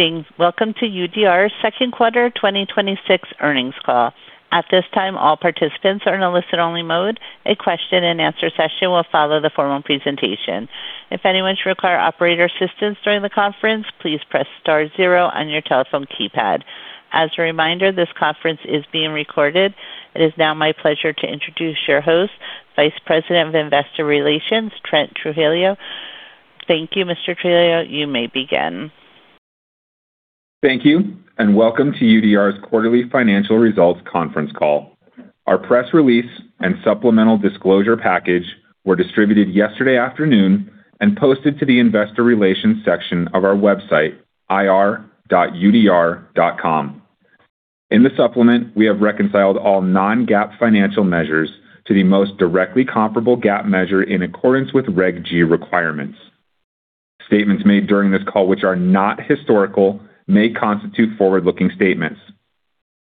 Greetings. Welcome to UDR second quarter 2026 earnings call. At this time, all participants are in a listen only mode. A question-and-answer session will follow the formal presentation. If anyone should require operator assistance during the conference, please press star zero on your telephone keypad. As a reminder, this conference is being recorded. It is now my pleasure to introduce your host, Vice President of Investor Relations, Trent Trujillo. Thank you, Mr. Trujillo. You may begin. Thank you, welcome to UDR's quarterly financial results conference call. Our press release and supplemental disclosure package were distributed yesterday afternoon and posted to the investor relations section of our website, ir.udr.com. In the supplement, we have reconciled all non-GAAP financial measures to the most directly comparable GAAP measure in accordance with Regulation G requirements. Statements made during this call which are not historical, may constitute forward-looking statements.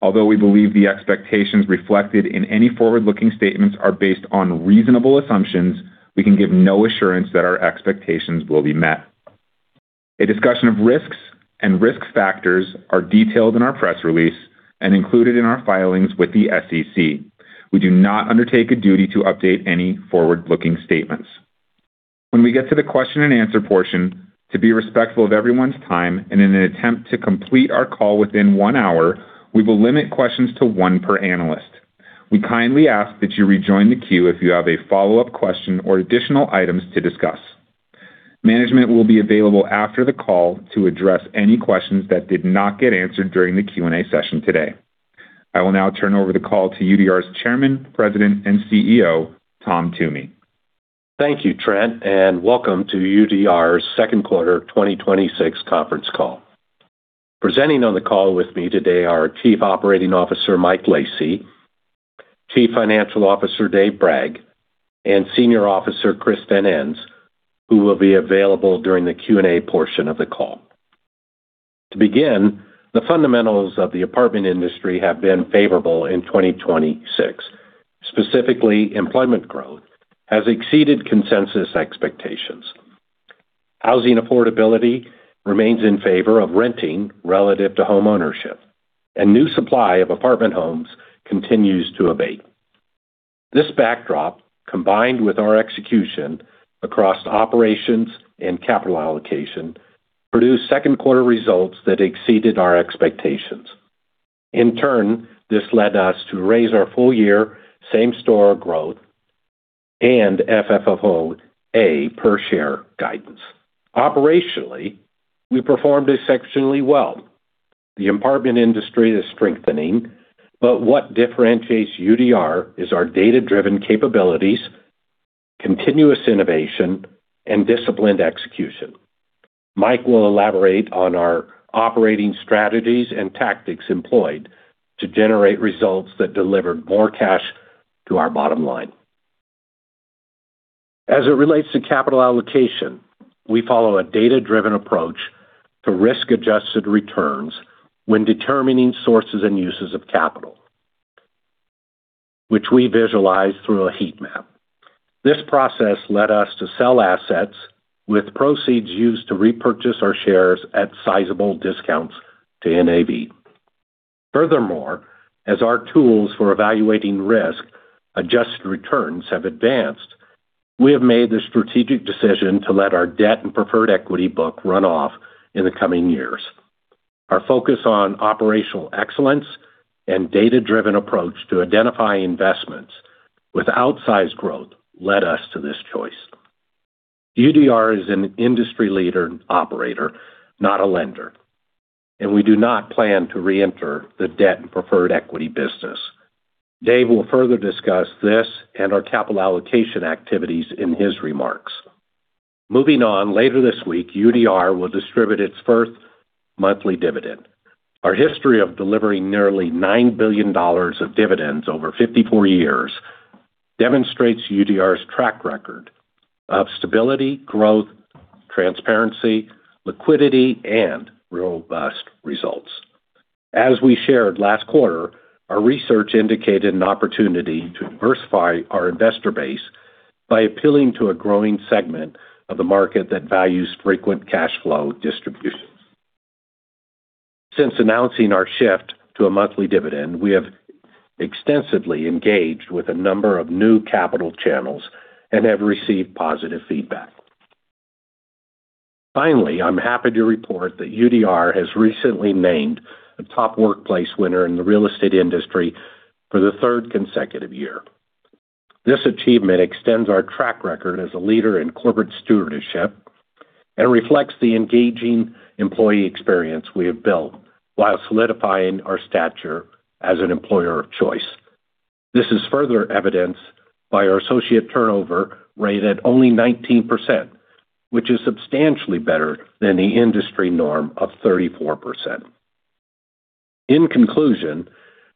Although we believe the expectations reflected in any forward-looking statements are based on reasonable assumptions, we can give no assurance that our expectations will be met. A discussion of risks and risk factors are detailed in our press release and included in our filings with the SEC. We do not undertake a duty to update any forward-looking statements. When we get to the question and answer portion, to be respectful of everyone's time and in an attempt to complete our call within one hour, we will limit questions to one per analyst. We kindly ask that you rejoin the queue if you have a follow-up question or additional items to discuss. Management will be available after the call to address any questions that did not get answered during the Q&A session today. I will now turn over the call to UDR's Chairman, President, and CEO, Tom Toomey. Thank you, Trent, welcome to UDR's second quarter 2026 conference call. Presenting on the call with me today are Chief Operating Officer Mike Lacy, Chief Financial Officer Dave Bragg, and Senior Officer Chris Van Ens, who will be available during the Q&A portion of the call. To begin, the fundamentals of the apartment industry have been favorable in 2026. Specifically, employment growth has exceeded consensus expectations. Housing affordability remains in favor of renting relative to homeownership. New supply of apartment homes continues to abate. This backdrop, combined with our execution across operations and capital allocation, produced second quarter results that exceeded our expectations. In turn, this led us to raise our full year same store growth and FFOA per share guidance. Operationally, we performed exceptionally well. The apartment industry is strengthening, but what differentiates UDR is our data-driven capabilities, continuous innovation, and disciplined execution. Mike will elaborate on our operating strategies and tactics employed to generate results that delivered more cash to our bottom line. As it relates to capital allocation, we follow a data-driven approach to risk-adjusted returns when determining sources and uses of capital, which we visualize through a heat map. This process led us to sell assets with proceeds used to repurchase our shares at sizable discounts to NAV. Furthermore, as our tools for evaluating risk-adjusted returns have advanced, we have made the strategic decision to let our debt and preferred equity book run off in the coming years. Our focus on operational excellence and data-driven approach to identify investments with outsized growth led us to this choice. UDR is an industry leader operator, not a lender, and we do not plan to reenter the debt and preferred equity business. Dave will further discuss this and our capital allocation activities in his remarks. Moving on, later this week, UDR will distribute its first monthly dividend. Our history of delivering nearly $9 billion of dividends over 54 years demonstrates UDR's track record of stability, growth, transparency, liquidity, and robust results. As we shared last quarter, our research indicated an opportunity to diversify our investor base by appealing to a growing segment of the market that values frequent cash flow distributions. Since announcing our shift to a monthly dividend, we have extensively engaged with a number of new capital channels and have received positive feedback. Finally, I'm happy to report that UDR has recently named a top workplace winner in the real estate industry for the third consecutive year. This achievement extends our track record as a leader in corporate stewardship and reflects the engaging employee experience we have built while solidifying our stature as an employer of choice. This is further evidenced by our associate turnover rate at only 19%, which is substantially better than the industry norm of 34%. In conclusion,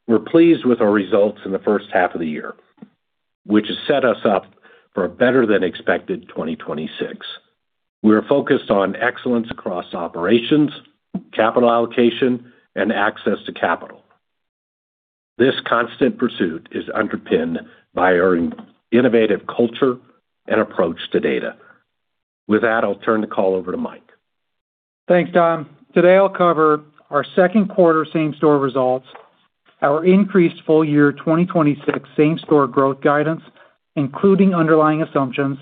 we're pleased with our results in the first half of the year, which has set us up for a better than expected 2026. We are focused on excellence across operations, capital allocation, and access to capital. This constant pursuit is underpinned by our innovative culture and approach to data. With that, I'll turn the call over to Mike. Thanks, Tom. Today I'll cover our second quarter same-store results, our increased full year 2026 same-store growth guidance, including underlying assumptions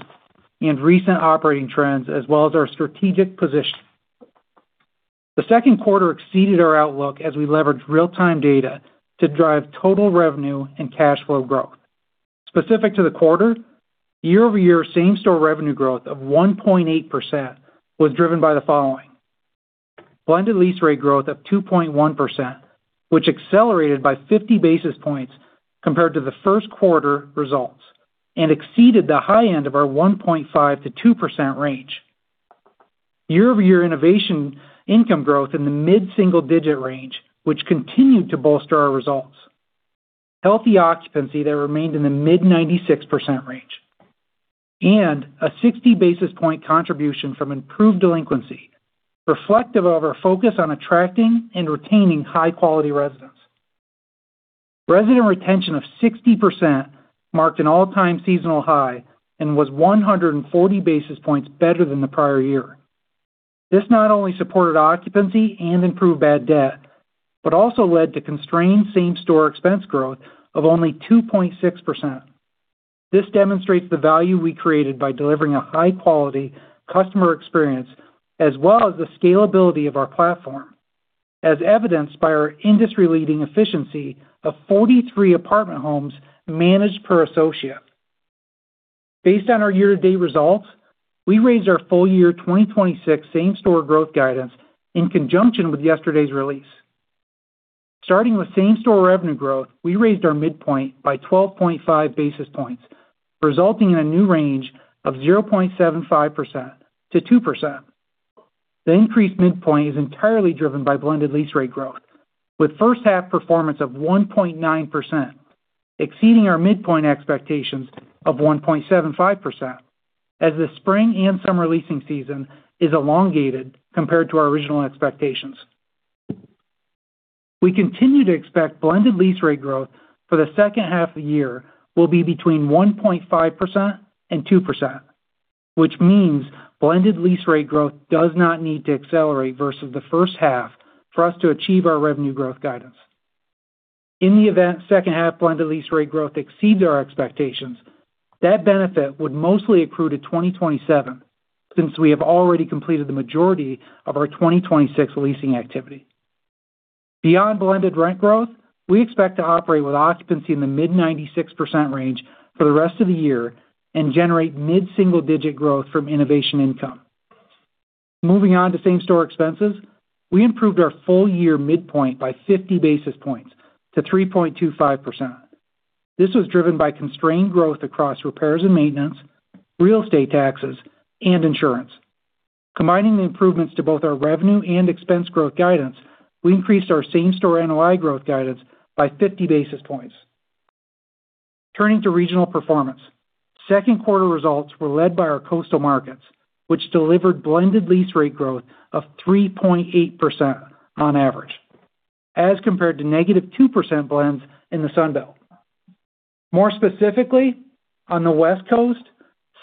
and recent operating trends, as well as our strategic position. The second quarter exceeded our outlook as we leveraged real-time data to drive total revenue and cash flow growth. Specific to the quarter, year-over-year same-store revenue growth of 1.8% was driven by the following. Blended lease rate growth of 2.1%, which accelerated by 50 basis points compared to the first quarter results and exceeded the high end of our 1.5%-2% range. Year-over-year innovation income growth in the mid-single digit range, which continued to bolster our results. Healthy occupancy that remained in the mid-96% range, and a 60-basis point contribution from improved delinquency, reflective of our focus on attracting and retaining high-quality residents. Resident retention of 60% marked an all-time seasonal high and was 140 basis points better than the prior year. This not only supported occupancy and improved bad debt, but also led to constrained same-store expense growth of only 2.6%. This demonstrates the value we created by delivering a high-quality customer experience, as well as the scalability of our platform, as evidenced by our industry-leading efficiency of 43 apartment homes managed per associate. Based on our year-to-date results, we raised our full year 2026 same-store growth guidance in conjunction with yesterday's release. Starting with same-store revenue growth, we raised our midpoint by 12.5 basis points, resulting in a new range of 0.75%-2%. The increased midpoint is entirely driven by blended lease rate growth, with first half performance of 1.9%, exceeding our midpoint expectations of 1.75% as the spring and summer leasing season is elongated compared to our original expectations. We continue to expect blended lease rate growth for the second half of the year will be between 1.5% and 2%, which means blended lease rate growth does not need to accelerate versus the first half for us to achieve our revenue growth guidance. In the event second half blended lease rate growth exceeds our expectations, that benefit would mostly accrue to 2027, since we have already completed the majority of our 2026 leasing activity. Beyond blended rent growth, we expect to operate with occupancy in the mid-96% range for the rest of the year and generate mid-single digit growth from innovation income. Moving on to same-store expenses, we improved our full year midpoint by 50 basis points to 3.25%. This was driven by constrained growth across repairs and maintenance, real estate taxes, and insurance. Combining the improvements to both our revenue and expense growth guidance, we increased our same-store NOI growth guidance by 50 basis points. Turning to regional performance, second quarter results were led by our coastal markets, which delivered blended lease rate growth of 3.8% on average as compared to -2% blends in the Sun Belt. More specifically, on the West Coast,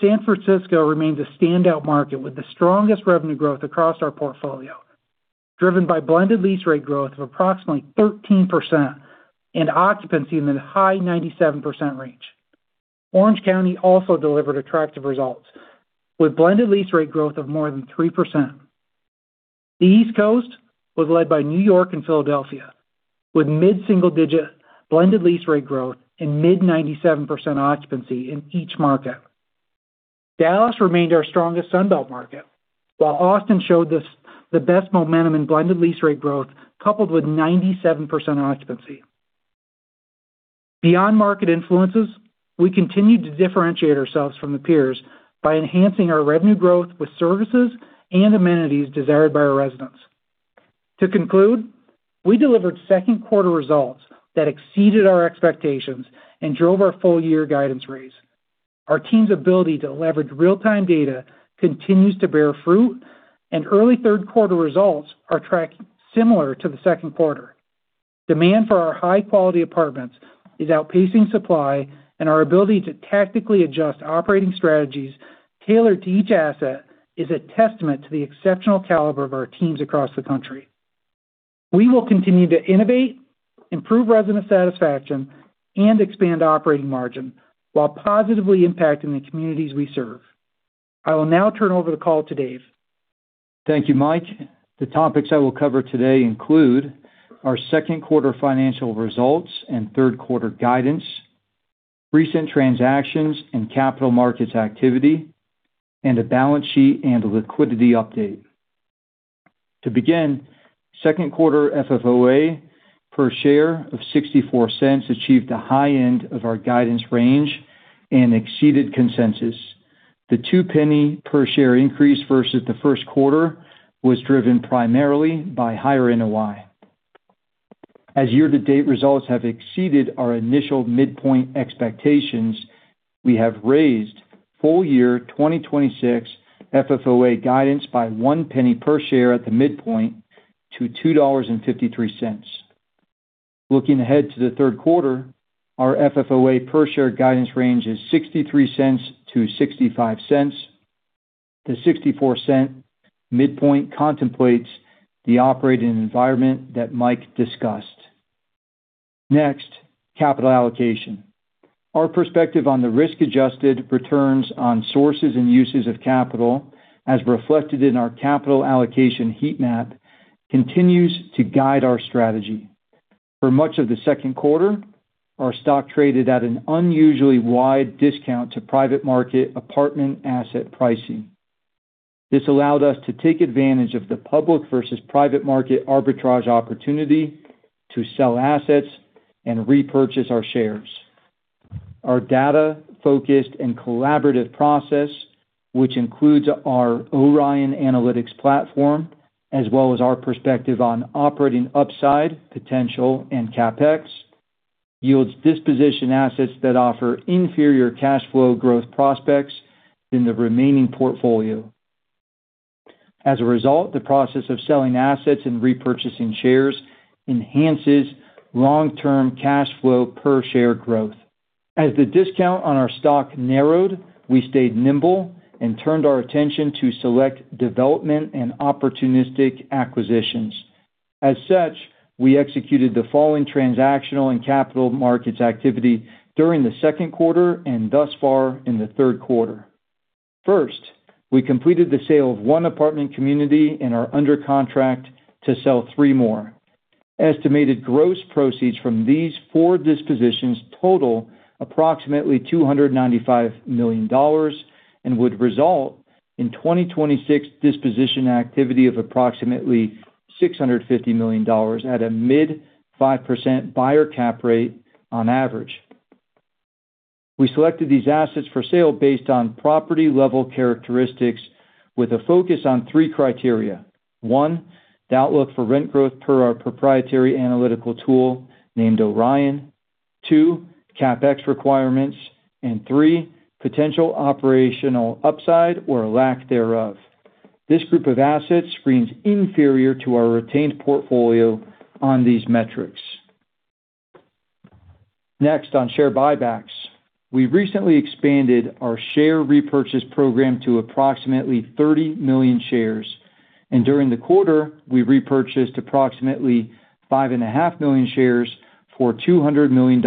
San Francisco remains a standout market with the strongest revenue growth across our portfolio, driven by blended lease rate growth of approximately 13% and occupancy in the high 97% range. Orange County also delivered attractive results with blended lease rate growth of more than 3%. The East Coast was led by New York and Philadelphia, with mid-single digit blended lease rate growth and mid 97% occupancy in each market. Dallas remained our strongest Sun Belt market, while Austin showed the best momentum in blended lease rate growth coupled with 97% occupancy. Beyond market influences, we continued to differentiate ourselves from the peers by enhancing our revenue growth with services and amenities desired by our residents. To conclude, we delivered second quarter results that exceeded our expectations and drove our full year guidance raise. Our team's ability to leverage real-time data continues to bear fruit, and early third quarter results are tracking similar to the second quarter. Demand for our high-quality apartments is outpacing supply, and our ability to tactically adjust operating strategies tailored to each asset is a testament to the exceptional caliber of our teams across the country. We will continue to innovate, improve resident satisfaction, and expand operating margin while positively impacting the communities we serve. I will now turn over the call to Dave. Thank you, Mike. The topics I will cover today include our second quarter financial results and third quarter guidance, recent transactions and capital markets activity, a balance sheet and a liquidity update. To begin, second quarter FFOA per share of $0.64 achieved the high end of our guidance range and exceeded consensus. The $0.02 per share increase versus the first quarter was driven primarily by higher NOI. As year-to-date results have exceeded our initial midpoint expectations, we have raised full year 2026 FFOA guidance by $0.01 per share at the midpoint to $2.53. Looking ahead to the third quarter, our FFOA per share guidance range is $0.63-$0.65. The $0.64 midpoint contemplates the operating environment that Mike discussed. Next, capital allocation. Our perspective on the risk adjusted returns on sources and uses of capital, as reflected in our capital allocation heat map, continues to guide our strategy. For much of the second quarter, our stock traded at an unusually wide discount to private market apartment asset pricing. This allowed us to take advantage of the public versus private market arbitrage opportunity to sell assets and repurchase our shares. Our data focused and collaborative process, which includes our Orion Analytics platform, as well as our perspective on operating upside potential and CapEx, yields disposition assets that offer inferior cash flow growth prospects in the remaining portfolio. The process of selling assets and repurchasing shares enhances long-term cash flow per share growth. The discount on our stock narrowed, we stayed nimble and turned our attention to select development and opportunistic acquisitions. We executed the following transactional and capital markets activity during the second quarter and thus far in the third quarter. First, we completed the sale of one apartment community and are under contract to sell three more. Estimated gross proceeds from these four dispositions total approximately $295 million and would result in 2026 disposition activity of approximately $650 million at a mid 5% buyer cap rate on average. We selected these assets for sale based on property-level characteristics with a focus on three criteria. One, the outlook for rent growth per our proprietary analytical tool, named Orion. Two, CapEx requirements. Three, potential operational upside or lack thereof. This group of assets screens inferior to our retained portfolio on these metrics. Next, on share buybacks. We recently expanded our share repurchase program to approximately 30 million shares. During the quarter, we repurchased approximately 5.5 million shares for $200 million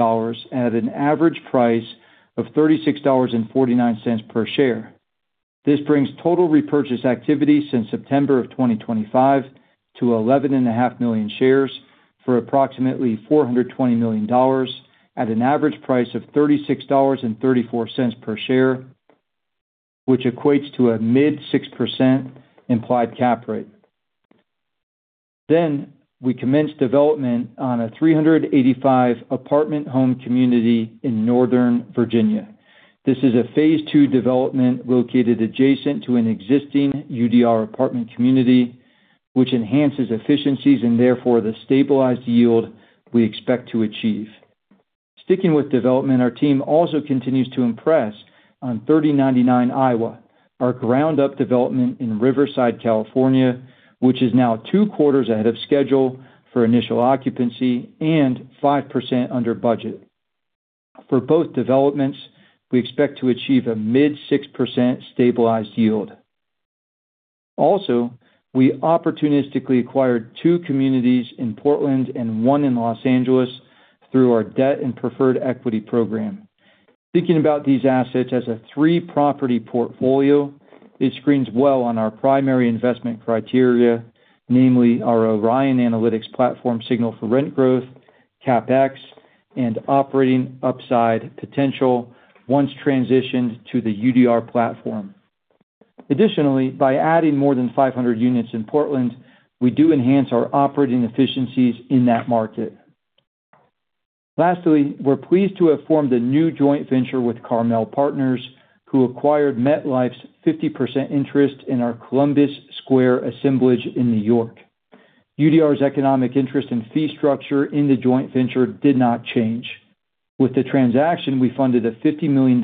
at an average price of $36.49 per share. This brings total repurchase activity since September of 2025 to 11.5 million shares for approximately $420 million at an average price of $36.34 per share, which equates to a mid-6% implied cap rate. We commenced development on a 385-apartment home community in Northern Virginia. This is a phase 2 development located adjacent to an existing UDR apartment community, which enhances efficiencies and therefore the stabilized yield we expect to achieve. Sticking with development, our team also continues to impress on 3099 Iowa, our ground up development in Riverside, California, which is now two quarters ahead of schedule for initial occupancy and 5% under budget. For both developments, we expect to achieve a mid 6% stabilized yield. We opportunistically acquired two communities in Portland and one in Los Angeles through our debt and preferred equity program. Thinking about these assets as a three-property portfolio, it screens well on our primary investment criteria, namely our Orion Analytics platform signal for rent growth, CapEx, and operating upside potential once transitioned to the UDR platform. Additionally, by adding more than 500 units in Portland, we do enhance our operating efficiencies in that market. We're pleased to have formed a new joint venture with Carmel Partners, who acquired MetLife's 50% interest in our Columbus Square assemblage in N.Y. UDR's economic interest and fee structure in the joint venture did not change. With the transaction, we funded a $50 million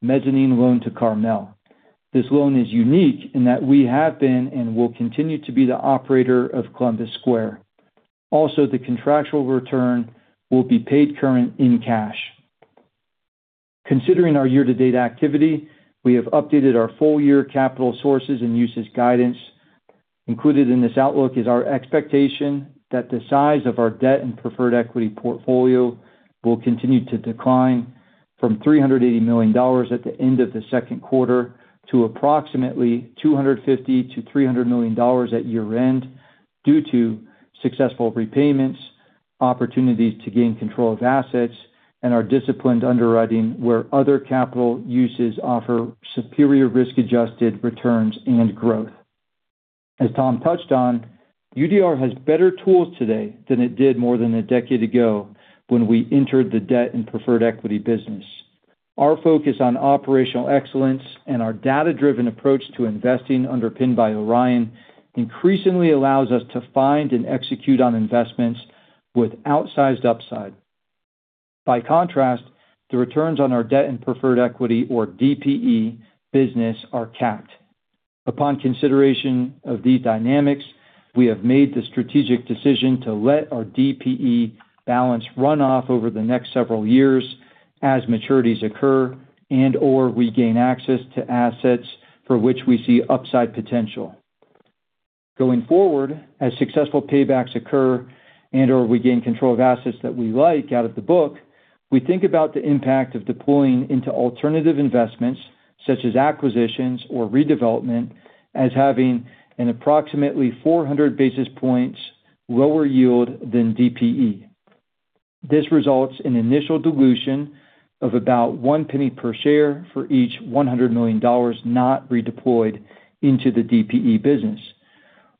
mezzanine loan to Carmel. This loan is unique in that we have been and will continue to be the operator of Columbus Square. The contractual return will be paid current in cash. Considering our year-to-date activity, we have updated our full year capital sources and uses guidance. Included in this outlook is our expectation that the size of our debt and preferred equity portfolio will continue to decline from $380 million at the end of the second quarter to approximately $250 million-$300 million at year-end due to successful repayments, opportunities to gain control of assets, and our disciplined underwriting where other capital uses offer superior risk-adjusted returns and growth. As Tom touched on, UDR has better tools today than it did more than a decade ago when we entered the debt and preferred equity business. Our focus on operational excellence and our data-driven approach to investing underpinned by Orion increasingly allows us to find and execute on investments with outsized upside. The returns on our debt and preferred equity or DPE business are capped. Upon consideration of these dynamics, we have made the strategic decision to let our DPE balance run off over the next several years as maturities occur and/or we gain access to assets for which we see upside potential. Going forward, as successful paybacks occur and/or we gain control of assets that we like out of the book, we think about the impact of deploying into alternative investments such as acquisitions or redevelopment as having an approximately 400 basis points lower yield than DPE. This results in initial dilution of about $0.01 per share for each $100 million not redeployed into the DPE business.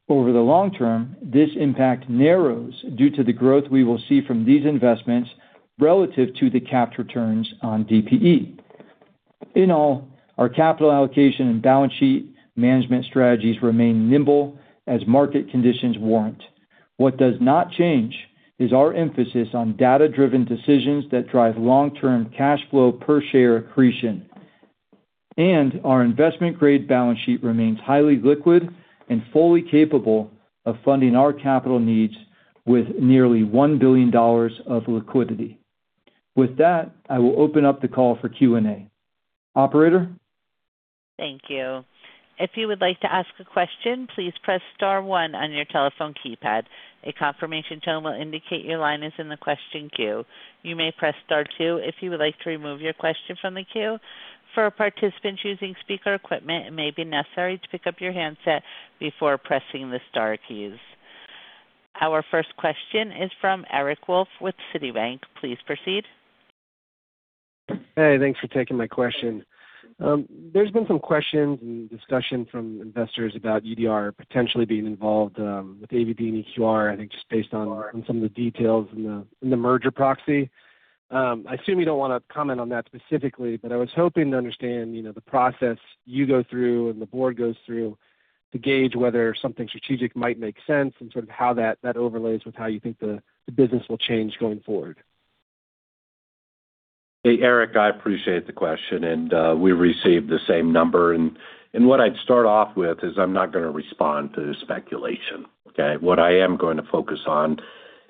Over the long term, this impact narrows due to the growth we will see from these investments relative to the capped returns on DPE. In all, our capital allocation and balance sheet management strategies remain nimble as market conditions warrant. What does not change is our emphasis on data-driven decisions that drive long-term cash flow per share accretion. Our investment-grade balance sheet remains highly liquid and fully capable of funding our capital needs with nearly $1 billion of liquidity. With that, I will open up the call for Q&A. Operator? Thank you. If you would like to ask a question, please press star one on your telephone keypad. A confirmation tone will indicate your line is in the question queue. You may press star two if you would like to remove your question from the queue. For participants using speaker equipment, it may be necessary to pick up your handset before pressing the star keys. Our first question is from Eric Wolfe with Citi. Please proceed. Hey, thanks for taking my question. There's been some questions and discussion from investors about UDR potentially being involved with AVB and EQR, I think just based on some of the details in the merger proxy. I assume you don't want to comment on that specifically, but I was hoping to understand the process you go through and the board goes through to gauge whether something strategic might make sense and sort of how that overlays with how you think the business will change going forward. Hey, Eric, I appreciate the question, and we received the same number. What I'd start off with is I'm not going to respond to the speculation, okay? What I am going to focus on,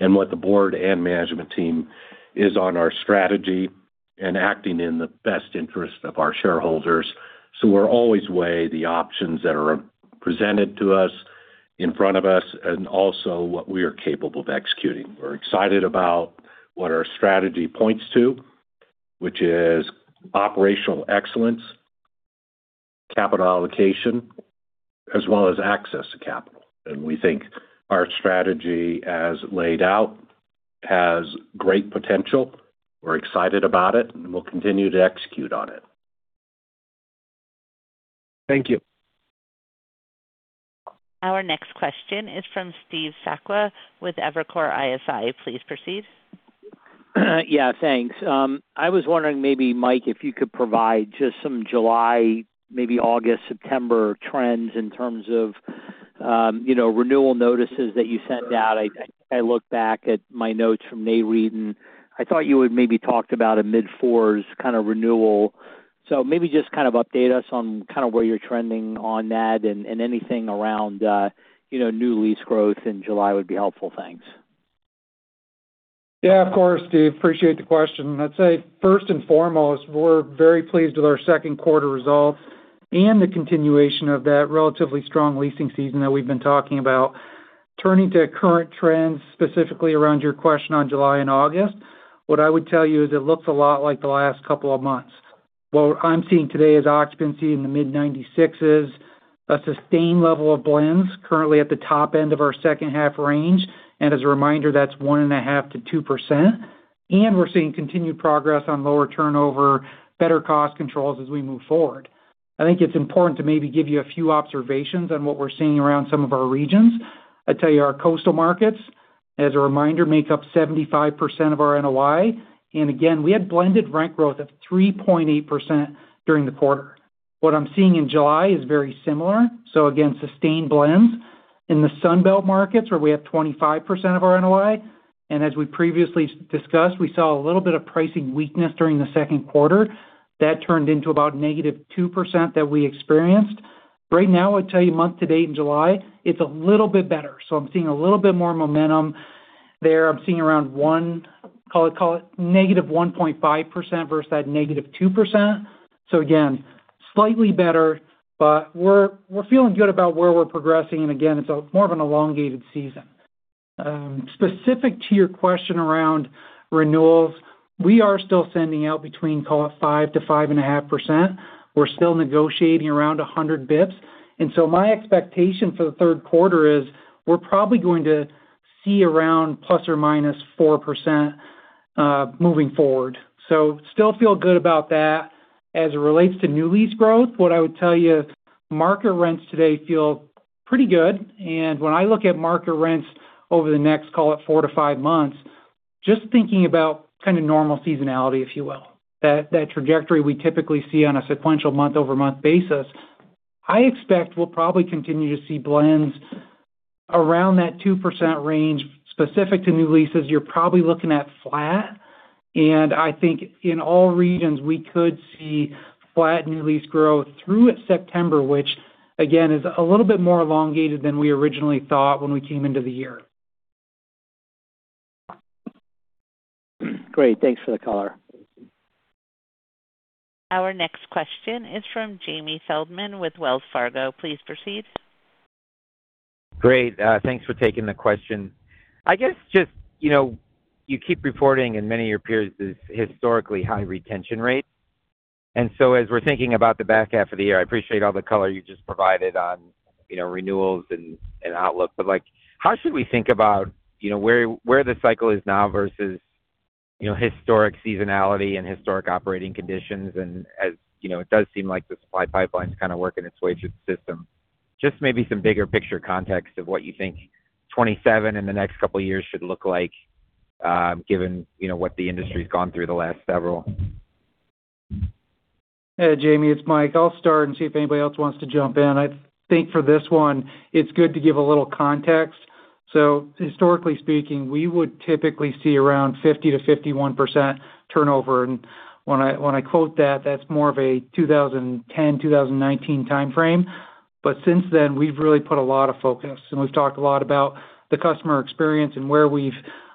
and what the board and management team is on our strategy and acting in the best interest of our shareholders. We'll always weigh the options that are presented to us, in front of us, and also what we are capable of executing. We're excited about what our strategy points to, which is operational excellence, capital allocation, as well as access to capital. We think our strategy, as laid out, has great potential. We're excited about it, and we'll continue to execute on it. Thank you. Our next question is from Steve Sakwa with Evercore ISI. Please proceed. Yeah, thanks. I was wondering maybe, Mike, if you could provide just some July, maybe August, September trends in terms of renewal notices that you sent out. I looked back at my notes from May read, and I thought you had maybe talked about a mid-fours kind of renewal. Maybe just kind of update us on kind of where you're trending on that and anything around new lease growth in July would be helpful. Thanks. Yeah, of course, Steve. Appreciate the question. I'd say first and foremost, we're very pleased with our second quarter results and the continuation of that relatively strong leasing season that we've been talking about. Turning to current trends, specifically around your question on July and August, what I would tell you is it looks a lot like the last couple of months. What I'm seeing today is occupancy in the mid-96s, a sustained level of blends currently at the top end of our second half range. As a reminder, that's 1.5%-2%. We're seeing continued progress on lower turnover, better cost controls as we move forward. I think it's important to maybe give you a few observations on what we're seeing around some of our regions. I'd tell you our coastal markets, as a reminder, make up 75% of our NOI. We had blended rent growth of 3.8% during the quarter. What I'm seeing in July is very similar. Again, sustained blends. In the Sun Belt markets, where we have 25% of our NOI, as we previously discussed, we saw a little bit of pricing weakness during the second quarter. That turned into about -2% that we experienced. Right now, I'd tell you month to date in July, it's a little bit better. I'm seeing a little bit more momentum there. I'm seeing around one, call it -1.5% versus that -2%. Again, slightly better, but we're feeling good about where we're progressing, and again, it's more of an elongated season. Specific to your question around renewals, we are still sending out between call it 5%-5.5%. We're still negotiating around 100 basis points. My expectation for the third quarter is we're probably going to see around ±4% moving forward. Still feel good about that. As it relates to new lease growth, what I would tell you, market rents today feel pretty good. When I look at market rents over the next, call it four to five months, just thinking about kind of normal seasonality, if you will. That trajectory we typically see on a sequential month-over-month basis I expect we'll probably continue to see blends around that 2% range specific to new leases. You're probably looking at flat, I think in all regions, we could see flat new lease growth through September, which again, is a little bit more elongated than we originally thought when we came into the year. Great. Thanks for the color. Our next question is from Jamie Feldman with Wells Fargo. Please proceed. Great. Thanks for taking the question. I guess you keep reporting in many of your periods this historically high retention rate. As we're thinking about the back half of the year, I appreciate all the color you just provided on renewals and outlook. How should we think about where the cycle is now versus historic seasonality and historic operating conditions? As it does seem like the supply pipeline's kind of working its way through the system, just maybe some bigger picture context of what you think 2027 and the next couple of years should look like, given what the industry's gone through the last several. Hey, Jamie, it's Mike. I'll start and see if anybody else wants to jump in. I think for this one, it's good to give a little context. Historically speaking, we would typically see around 50%-51% turnover. When I quote that's more of a 2010-2019 timeframe. Since then, we've really put a lot of focus, and we've talked a lot about the customer experience and where we've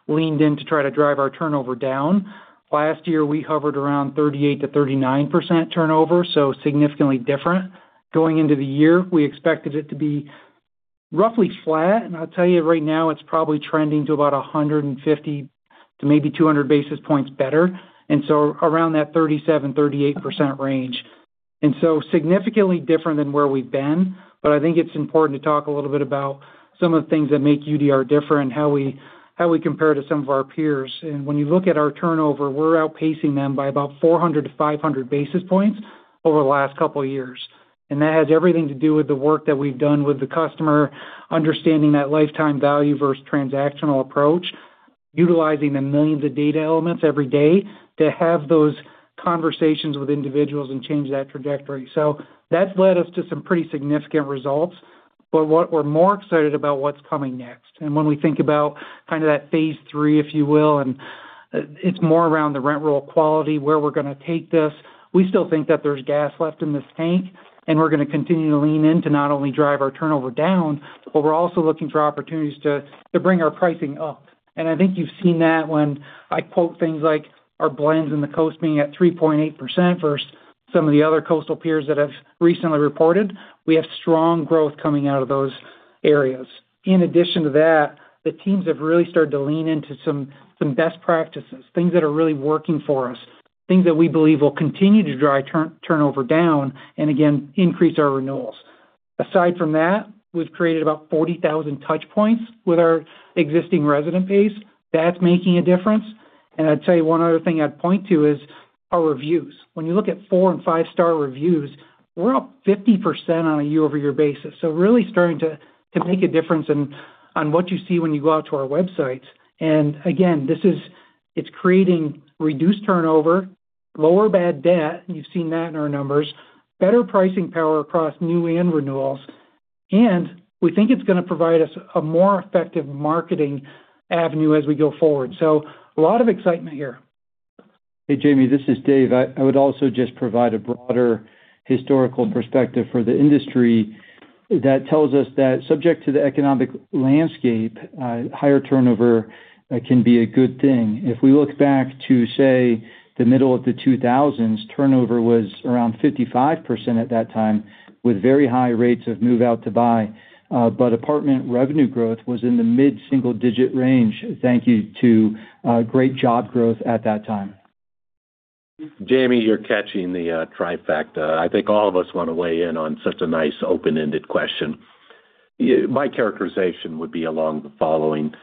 leaned in to try to drive our turnover down. Last year, we hovered around 38%-39% turnover, so significantly different. Going into the year, we expected it to be roughly flat. I'll tell you right now, it's probably trending to about 150-200 basis points better, around that 37%-38% range. Significantly different than where we've been, I think it's important to talk a little bit about some of the things that make UDR different, how we compare to some of our peers. When you look at our turnover, we're outpacing them by about 400-500 basis points over the last couple of years. That has everything to do with the work that we've done with the customer, understanding that lifetime value versus transactional approach, utilizing the millions of data elements every day to have those conversations with individuals and change that trajectory. That's led us to some pretty significant results. What we're more excited about what's coming next. When we think about kind of that phase 3, if you will, it's more around the rent roll quality, where we're going to take this. We still think that there's gas left in this tank, and we're going to continue to lean in to not only drive our turnover down, but we're also looking for opportunities to bring our pricing up. I think you've seen that when I quote things like our blends in the coast being at 3.8% versus some of the other coastal peers that have recently reported. We have strong growth coming out of those areas. In addition to that, the teams have really started to lean into some best practices, things that are really working for us, things that we believe will continue to drive turnover down, and again, increase our renewals. Aside from that, we've created about 40,000 touchpoints with our existing resident base. That's making a difference. I'd tell you one other thing I'd point to is our reviews. When you look at four and five-star reviews, we're up 50% on a year-over-year basis. Really starting to make a difference on what you see when you go out to our websites. Again, it's creating reduced turnover, lower bad debt, you've seen that in our numbers, better pricing power across new and renewals, and we think it's going to provide us a more effective marketing avenue as we go forward. A lot of excitement here. Hey, Jamie, this is Dave. I would also just provide a broader historical perspective for the industry that tells us that subject to the economic landscape, higher turnover can be a good thing. If we look back to, say, the middle of the 2000s, turnover was around 55% at that time, with very high rates of move-out to buy. Apartment revenue growth was in the mid-single digit range, thank you to great job growth at that time. Jamie, you're catching the trifecta. I think all of us want to weigh in on such a nice open-ended question. My characterization would be along the following.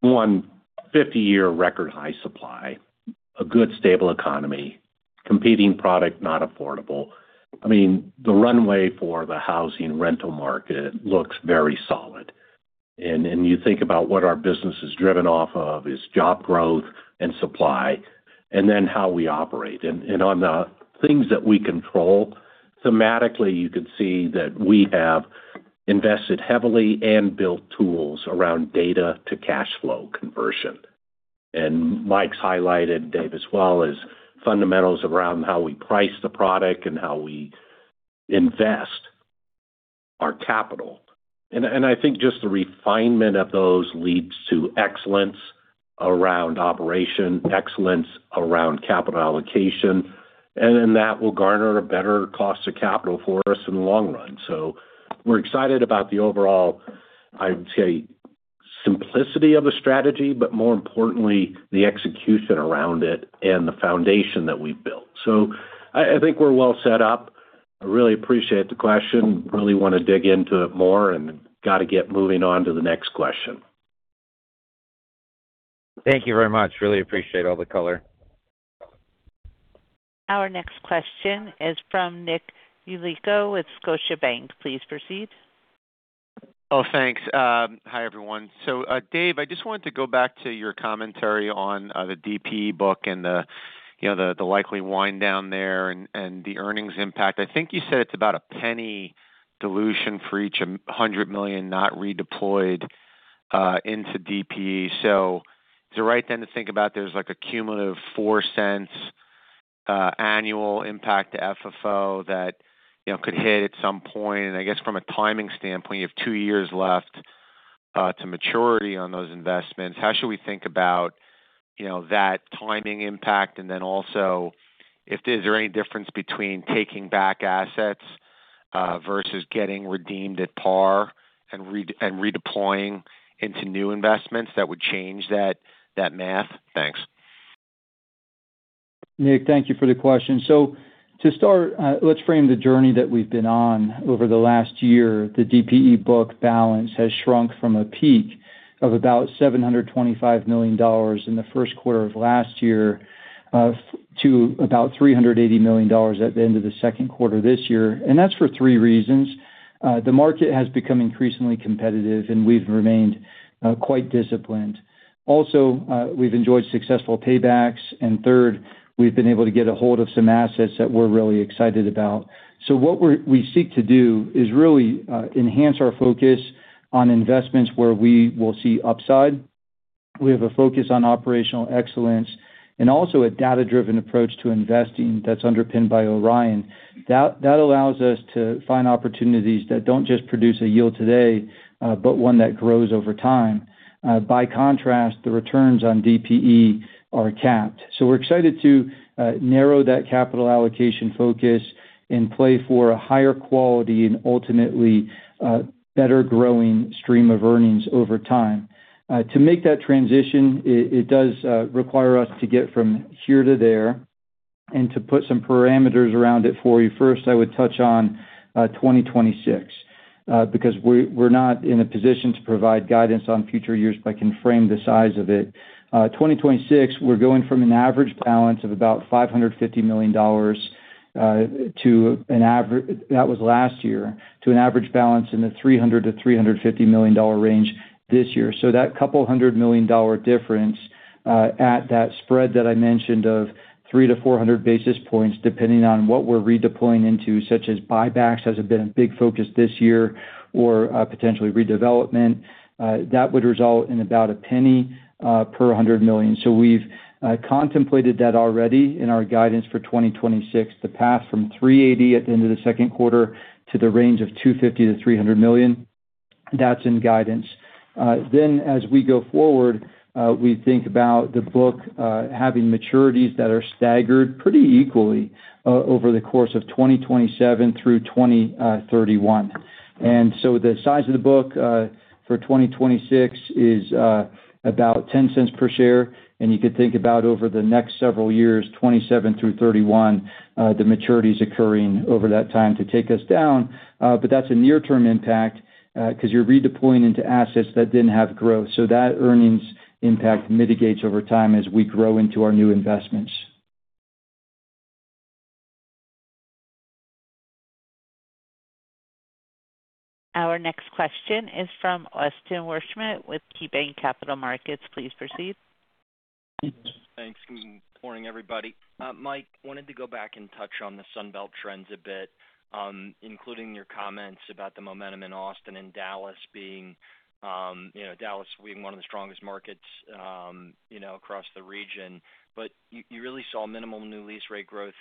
One, 50-year record high supply, a good stable economy, competing product not affordable. The runway for the housing rental market looks very solid. You think about what our business is driven off of is job growth and supply, and then how we operate. On the things that we control, thematically, you could see that we have invested heavily and built tools around data to cash flow conversion. Mike's highlighted, Dave as well, is fundamentals around how we price the product and how we invest our capital. I think just the refinement of those leads to excellence around operation, excellence around capital allocation, and then that will garner a better cost of capital for us in the long run. We're excited about the overall, I would say, simplicity of a strategy, more importantly, the execution around it and the foundation that we've built. I think we're well set up. I really appreciate the question. Really want to dig into it more and got to get moving on to the next question. Thank you very much. Really appreciate all the color. Our next question is from Nick Yulico with Scotiabank. Please proceed. Thanks. Hi, everyone. Dave, I just wanted to go back to your commentary on the DPE book and the likely wind down there and the earnings impact. I think you said it's about a $0.01 dilution for each $100 million not redeployed into DPE. Is it right then to think about there's like a cumulative $0.04 annual impact to FFO that could hit at some point? I guess from a timing standpoint, you have two years left to maturity on those investments. How should we think about that timing impact? Then also, is there any difference between taking back assets, versus getting redeemed at par and redeploying into new investments that would change that math? Thanks. Nick, thank you for the question. To start, let's frame the journey that we've been on over the last year. The DPE book balance has shrunk from a peak of about $725 million in the first quarter of last year, to about $380 million at the end of the second quarter this year. That's for three reasons. The market has become increasingly competitive, and we've remained quite disciplined. Also, we've enjoyed successful paybacks. Third, we've been able to get a hold of some assets that we're really excited about. What we seek to do is really enhance our focus on investments where we will see upside. We have a focus on operational excellence and also a data-driven approach to investing that's underpinned by Orion. That allows us to find opportunities that don't just produce a yield today, but one that grows over time. By contrast, the returns on DPE are capped. We're excited to narrow that capital allocation focus and play for a higher quality and ultimately, better growing stream of earnings over time. To make that transition, it does require us to get from here to there and to put some parameters around it for you. First, I would touch on 2026. Because we're not in a position to provide guidance on future years, but I can frame the size of it. 2026, we're going from an average balance of about $550 million, that was last year, to an average balance in the $300 million-$350 million range this year. That couple hundred-million-dollar difference, at that spread that I mentioned of 3-400 basis points, depending on what we're redeploying into, such as buybacks, has been a big focus this year or potentially redevelopment, that would result in about $0.01 per 100 million. We've contemplated that already in our guidance for 2026 to pass from $380 at the end of the second quarter to the range of $250 million-$300 million. That's in guidance. As we go forward, we think about the book, having maturities that are staggered pretty equally over the course of 2027 through 2031. The size of the book, for 2026 is about $0.10 per share. You could think about over the next several years, 2027 through 2031, the maturities occurring over that time to take us down. That's a near term impact, because you're redeploying into assets that didn't have growth. That earnings impact mitigates over time as we grow into our new investments. Our next question is from Austin Wurschmidt with KeyBanc Capital Markets. Please proceed. Thanks. Good morning, everybody. Mike, wanted to go back and touch on the Sun Belt trends a bit, including your comments about the momentum in Austin and Dallas being one of the strongest markets across the region. You really saw minimal new lease rate growth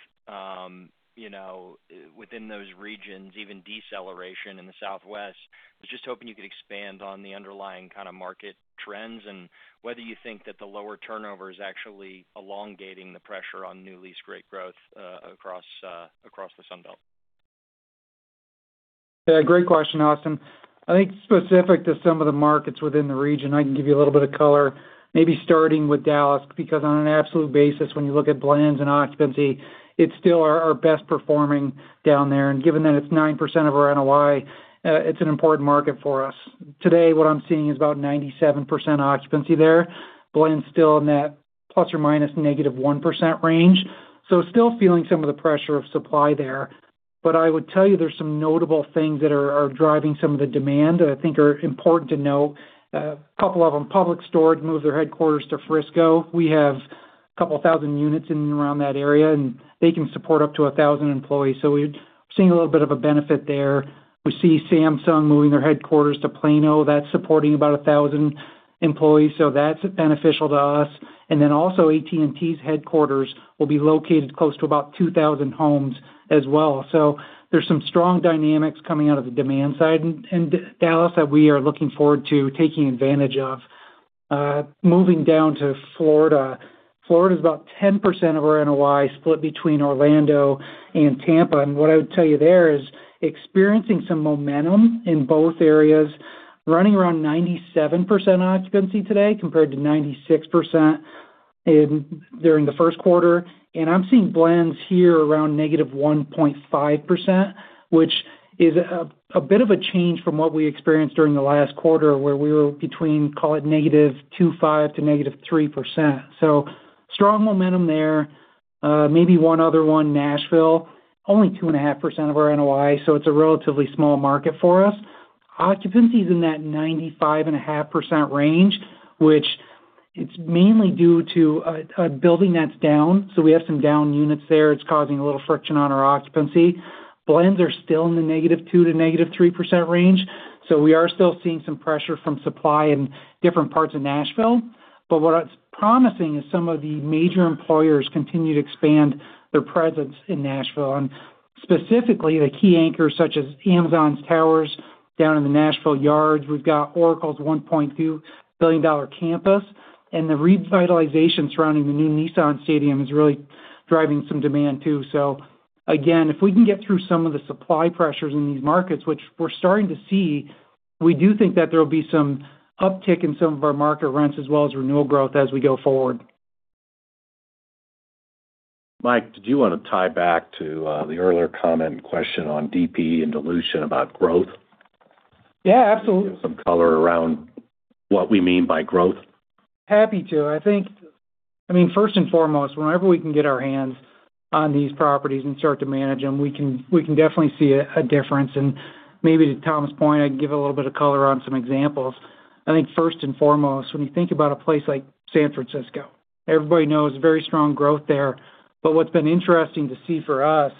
within those regions, even deceleration in the Southwest. I was just hoping you could expand on the underlying kind of market trends and whether you think that the lower turnover is actually elongating the pressure on new lease rate growth across the Sun Belt. Yeah, great question, Austin. I think specific to some of the markets within the region, I can give you a little bit of color, maybe starting with Dallas, because on an absolute basis, when you look at blends and occupancy, it's still our best performing down there. Given that it's 9% of our NOI, it's an important market for us. Today, what I'm seeing is about 97% occupancy there. Blend's still in that ± -1% range. Still feeling some of the pressure of supply there. I would tell you there's some notable things that are driving some of the demand that I think are important to note. A couple of them. Public Storage moved their headquarters to Frisco. We have a couple thousand units in and around that area, and they can support up to 1,000 employees. We're seeing a little bit of a benefit there. We see Samsung moving their headquarters to Plano. That's supporting about 1,000 employees, so that's beneficial to us. Then also, AT&T's headquarters will be located close to about 2,000 homes as well. There's some strong dynamics coming out of the demand side in Dallas that we are looking forward to taking advantage of. Moving down to Florida. Florida's about 10% of our NOI split between Orlando and Tampa. What I would tell you there is experiencing some momentum in both areas. Running around 97% occupancy today compared to 96% during the first quarter. I'm seeing blends here around -1.5%, which is a bit of a change from what we experienced during the last quarter where we were between, call it, -2.5% to -3%. Strong momentum there. Maybe one other one, Nashville, only 2.5% of our NOI, so it's a relatively small market for us. Occupancies in that 95.5% range, which it's mainly due to a building that's down. We have some down units there. It's causing a little friction on our occupancy. Blends are still in the -2% to -3% range, so we are still seeing some pressure from supply in different parts of Nashville. What's promising is some of the major employers continue to expand their presence in Nashville, and specifically the key anchors such as Amazon's towers down in the Nashville Yards. We've got Oracle's $1.2 billion campus, and the revitalization surrounding the new Nissan Stadium is really driving some demand too. Again, if we can get through some of the supply pressures in these markets, which we're starting to see, we do think that there will be some uptick in some of our market rents as well as renewal growth as we go forward. Mike, did you want to tie back to the earlier comment and question on DPE and dilution about growth? Yeah, absolutely. Give some color around what we mean by growth. Happy to. First and foremost, whenever we can get our hands on these properties and start to manage them, we can definitely see a difference. Maybe to Tom's point, I can give a little bit of color on some examples. First and foremost, when you think about a place like San Francisco, everybody knows very strong growth there. What's been interesting to see for us,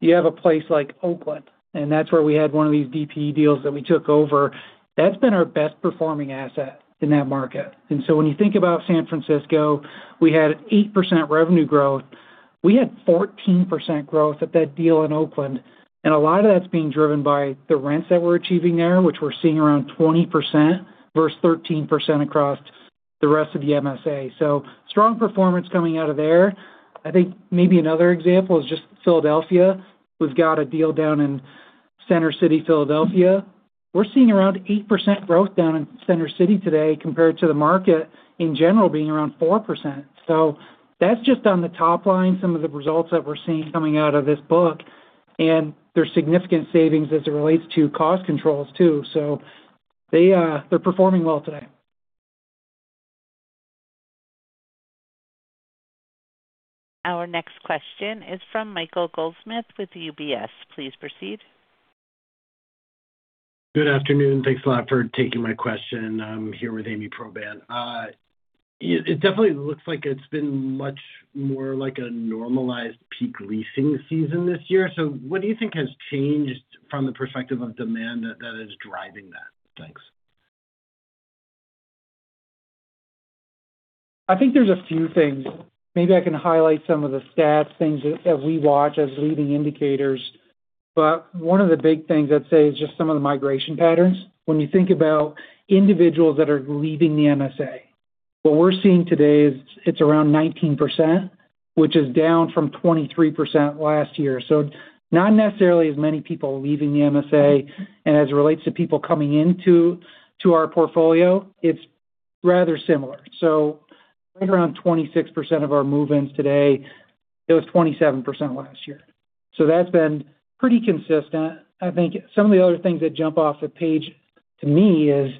you have a place like Oakland, and that's where we had one of these DPE deals that we took over. That's been our best performing asset in that market. When you think about San Francisco, we had 8% revenue growth. We had 14% growth at that deal in Oakland, and a lot of that's being driven by the rents that we're achieving there, which we're seeing around 20% versus 13% across the rest of the MSA. Strong performance coming out of there. Maybe another example is just Philadelphia. We've got a deal down in Center City, Philadelphia. We're seeing around 8% growth down in Center City today compared to the market in general being around 4%. That's just on the top line, some of the results that we're seeing coming out of this book, and there's significant savings as it relates to cost controls too. They're performing well today. Our next question is from Michael Goldsmith with UBS. Please proceed. Good afternoon. Thanks a lot for taking my question. I am here with Ami Probandt. It definitely looks like it has been much more like a normalized peak leasing season this year. What do you think has changed from the perspective of demand that is driving that? Thanks. I think there is a few things. Maybe I can highlight some of the stats things that we watch as leading indicators. One of the big things I would say is just some of the migration patterns. When you think about individuals that are leaving the MSA, what we are seeing today is it is around 19%, which is down from 23% last year. Not necessarily as many people leaving the MSA. As it relates to people coming into our portfolio, it is rather similar. Right around 26% of our move-ins today, it was 27% last year. That has been pretty consistent. I think some of the other things that jump off the page to me is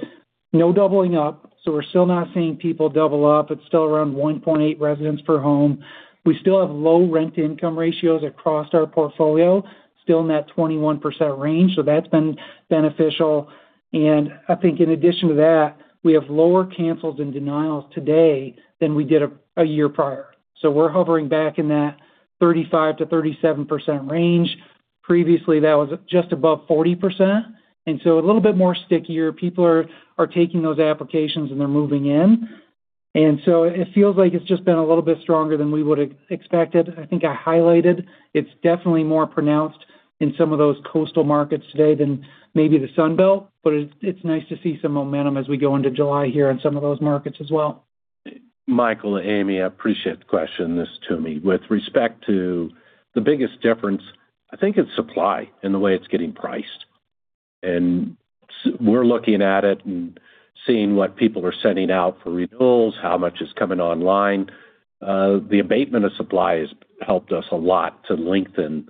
no doubling up. We are still not seeing people double up. It is still around 1.8 residents per home. We still have low rent-to-income ratios across our portfolio, still in that 21% range, that has been beneficial. I think in addition to that, we have lower cancels and denials today than we did a year prior. We are hovering back in that 35%-37% range. Previously, that was just above 40%. A little bit more stickier. People are taking those applications and they are moving in. It feels like it has just been a little bit stronger than we would have expected. I think I highlighted it is definitely more pronounced in some of those coastal markets today than maybe the Sun Belt, but it is nice to see some momentum as we go into July here in some of those markets as well. Michael, Amy, I appreciate the question. This to me. With respect to the biggest difference, I think it is supply and the way it is getting priced. We are looking at it and seeing what people are sending out for renewals, how much is coming online. The abatement of supply has helped us a lot to lengthen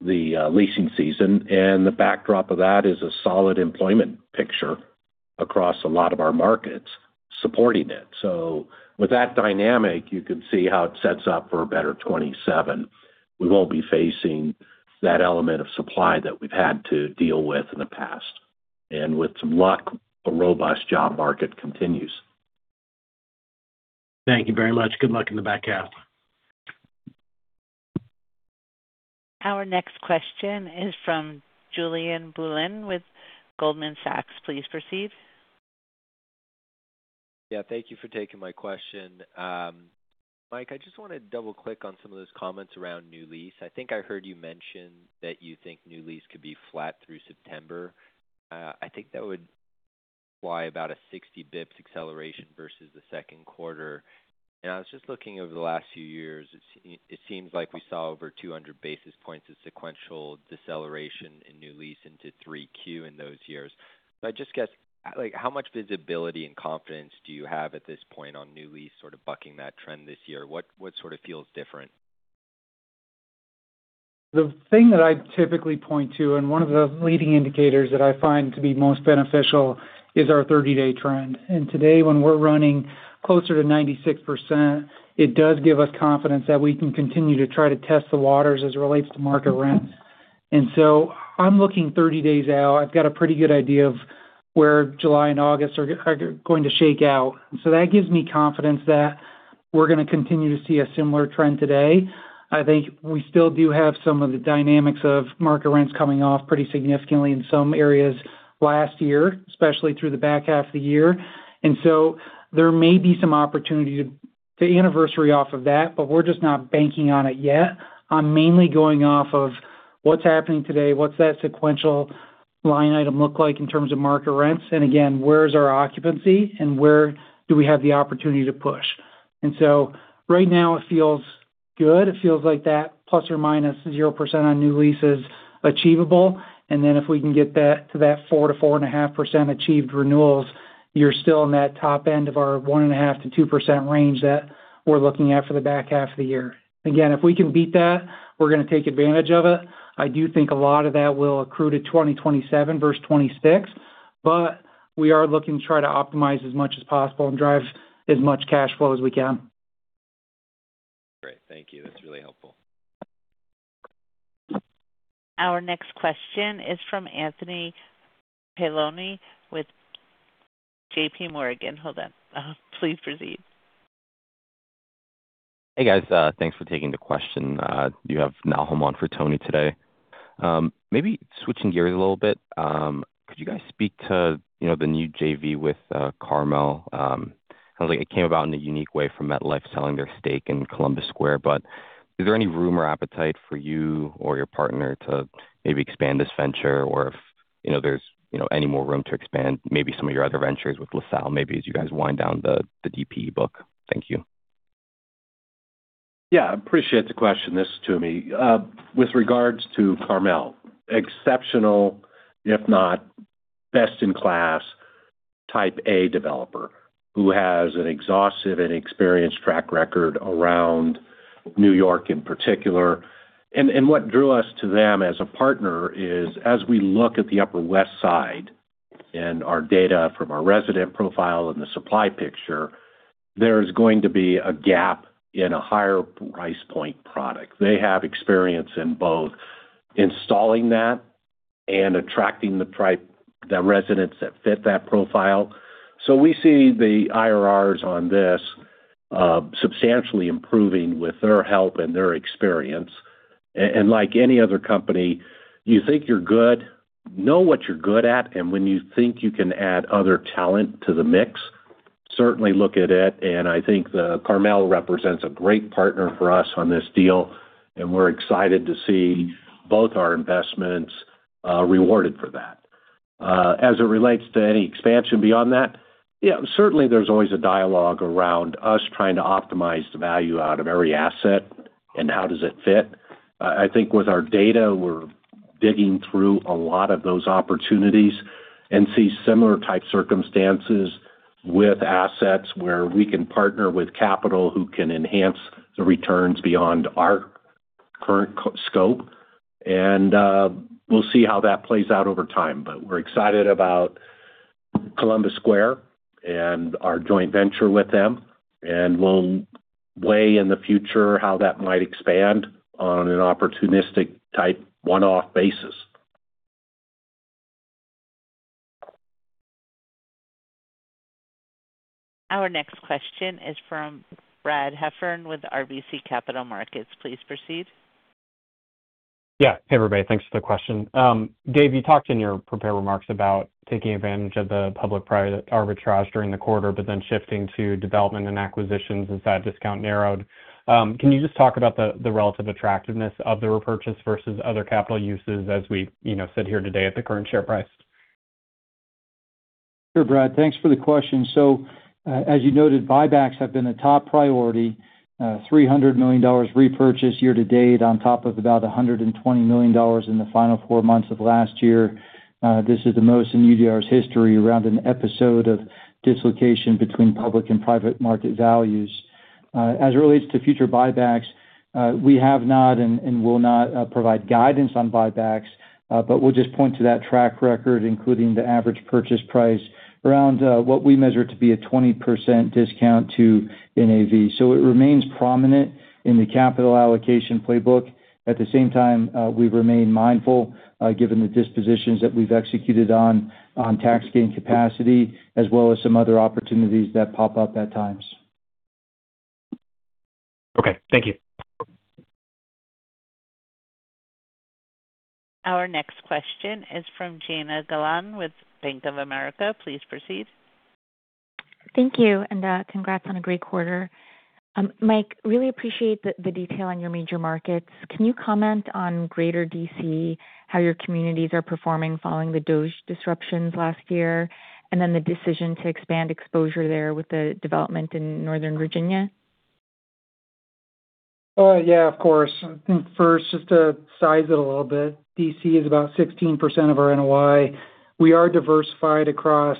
the leasing season. The backdrop of that is a solid employment picture across a lot of our markets supporting it. With that dynamic, you can see how it sets up for a better 2027. We will not be facing that element of supply that we have had to deal with in the past. With some luck, a robust job market continues. Thank you very much. Good luck in the back half. Our next question is from Julien Blouin with Goldman Sachs. Please proceed. Yeah, thank you for taking my question. Mike, I just want to double-click on some of those comments around new lease. I think I heard you mention that you think new lease could be flat through September. I think that would imply about a 60-basis points acceleration versus the second quarter. I was just looking over the last few years, it seems like we saw over 200 basis points of sequential deceleration in new lease into 3Q in those years. I just guess, how much visibility and confidence do you have at this point on new lease sort of bucking that trend this year? What sort of feels different? The thing that I typically point to, and one of the leading indicators that I find to be most beneficial, is our 30-day trend. Today, when we're running closer to 96%, it does give us confidence that we can continue to try to test the waters as it relates to market rents. I'm looking 30 days out. I've got a pretty good idea of where July and August are going to shake out. That gives me confidence that we're going to continue to see a similar trend today. I think we still do have some of the dynamics of market rents coming off pretty significantly in some areas last year, especially through the back half of the year. There may be some opportunity to anniversary off of that, but we're just not banking on it yet. I'm mainly going off of what's happening today, what's that sequential line item look like in terms of market rents, where's our occupancy and where do we have the opportunity to push. Right now, it feels good. It feels like that ±0% on new lease is achievable. If we can get that to that 4% to 4.5% achieved renewals, you're still in that top end of our 1.5% to 2% range that we're looking at for the back half of the year. If we can beat that, we're going to take advantage of it. I do think a lot of that will accrue to 2027 versus 2026, but we are looking to try to optimize as much as possible and drive as much cash flow as we can. Great. Thank you. That's really helpful. Our next question is from Anthony Paolone with JPMorgan. Hold on. Please proceed. Hey, guys. Thanks for taking the question. You have now come on for Tony today. Maybe switching gears a little bit, could you guys speak to the new JV with Carmel? It sounds like it came about in a unique way from MetLife selling their stake in Columbus Square. Is there any room or appetite for you or your partner to maybe expand this venture or if there's any more room to expand maybe some of your other ventures with LaSalle, maybe as you guys wind down the DPE book. Thank you. Yeah, appreciate the question. This is Toomey. With regards to Carmel, exceptional, if not best in class, type A developer who has an exhaustive and experienced track record around New York in particular. What drew us to them as a partner is as we look at the Upper West Side and our data from our resident profile and the supply picture, there's going to be a gap in a higher price point product. They have experience in both installing that and attracting the residents that fit that profile. We see the IRR on this substantially improving with their help and their experience. Like any other company, you think you're good, know what you're good at, and when you think you can add other talent to the mix, certainly look at it. I think Carmel represents a great partner for us on this deal, and we're excited to see both our investments rewarded for that. As it relates to any expansion beyond that, yeah, certainly there's always a dialogue around us trying to optimize the value out of every asset and how does it fit. I think with our data, we're digging through a lot of those opportunities and see similar type circumstances with assets where we can partner with capital, who can enhance the returns beyond our current scope. We'll see how that plays out over time. We're excited about Columbus Square and our joint venture with them, and we'll weigh in the future how that might expand on an opportunistic type one-off basis. Our next question is from Brad Heffern with RBC Capital Markets. Please proceed. Yeah. Hey, everybody. Thanks for the question. Dave, you talked in your prepared remarks about taking advantage of the public-private arbitrage during the quarter, but then shifting to development and acquisitions as that discount narrowed. Can you just talk about the relative attractiveness of the repurchase versus other capital uses as we sit here today at the current share price? Sure, Brad. Thanks for the question. As you noted, buybacks have been a top priority. $300 million repurchase year-to-date on top of about $120 million in the final four months of last year. This is the most in UDR's history around an episode of dislocation between public and private market values. As it relates to future buybacks, we have not and will not provide guidance on buybacks, but we'll just point to that track record, including the average purchase price around what we measure to be a 20% discount to NAV. It remains prominent in the capital allocation playbook. At the same time, we remain mindful, given the dispositions that we've executed on tax gain capacity, as well as some other opportunities that pop up at times. Okay. Thank you. Our next question is from Jana Galan with Bank of America. Please proceed. Thank you. Congrats on a great quarter. Mike, really appreciate the detail on your major markets. Can you comment on Greater D.C., how your communities are performing following the [DOGE] disruptions last year, and then the decision to expand exposure there with the development in Northern Virginia? Oh, yeah, of course. I think first, just to size it a little bit, D.C. is about 15% of our NOI. We are diversified across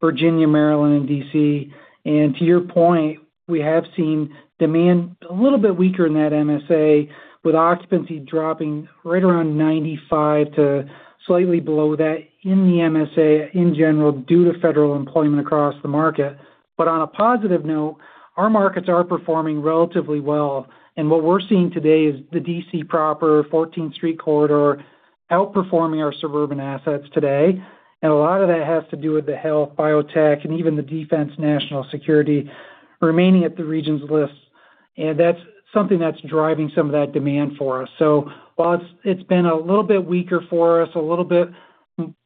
Virginia, Maryland, and D.C. To your point, we have seen demand a little bit weaker in that MSA with occupancy dropping right around 95 to slightly below that in the MSA in general, due to federal employment across the market. On a positive note, our markets are performing relatively well. What we're seeing today is the D.C. proper 14th Street corridor outperforming our suburban assets today. A lot of that has to do with the health, biotech, and even the defense national security remaining at the region's list. That's something that's driving some of that demand for us. While it's been a little bit weaker for us, a little bit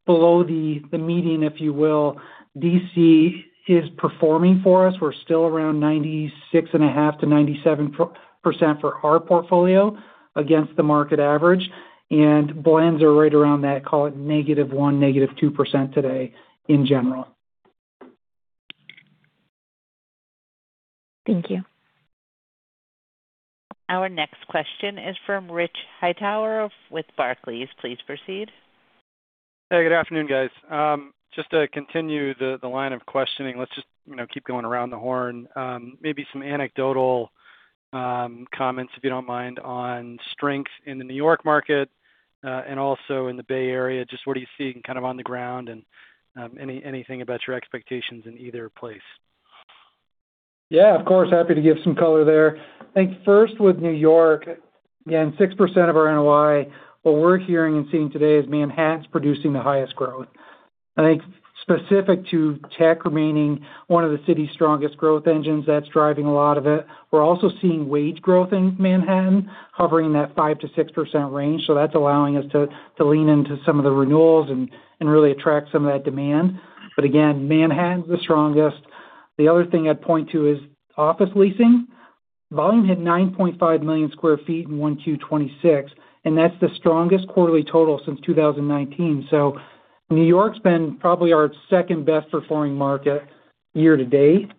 below the median, if you will, D.C. is performing for us. We're still around 96.5 to 97% for our portfolio against the market average, and blends are right around that, call it -1%, -2% today in general. Thank you. Our next question is from Rich Hightower with Barclays. Please proceed. Hey, good afternoon, guys. Just to continue the line of questioning, let's just keep going around the horn. Maybe some anecdotal comments, if you don't mind, on strength in the New York market, and also in the Bay Area. Just what are you seeing kind of on the ground and anything about your expectations in either place? Yeah, of course. Happy to give some color there. I think first with New York, again, 6% of our NOI. What we're hearing and seeing today is Manhattan's producing the highest growth. I think specific to tech remaining one of the city's strongest growth engines, that's driving a lot of it. We're also seeing wage growth in Manhattan, hovering that 5%-6% range. That's allowing us to lean into some of the renewals and really attract some of that demand. Again, Manhattan's the strongest. The other thing I'd point to is office leasing. Volume hit 9.5 million sq ft in Q2 2026, and that's the strongest quarterly total since 2019. New York's been probably our second-best performing market year-to-date.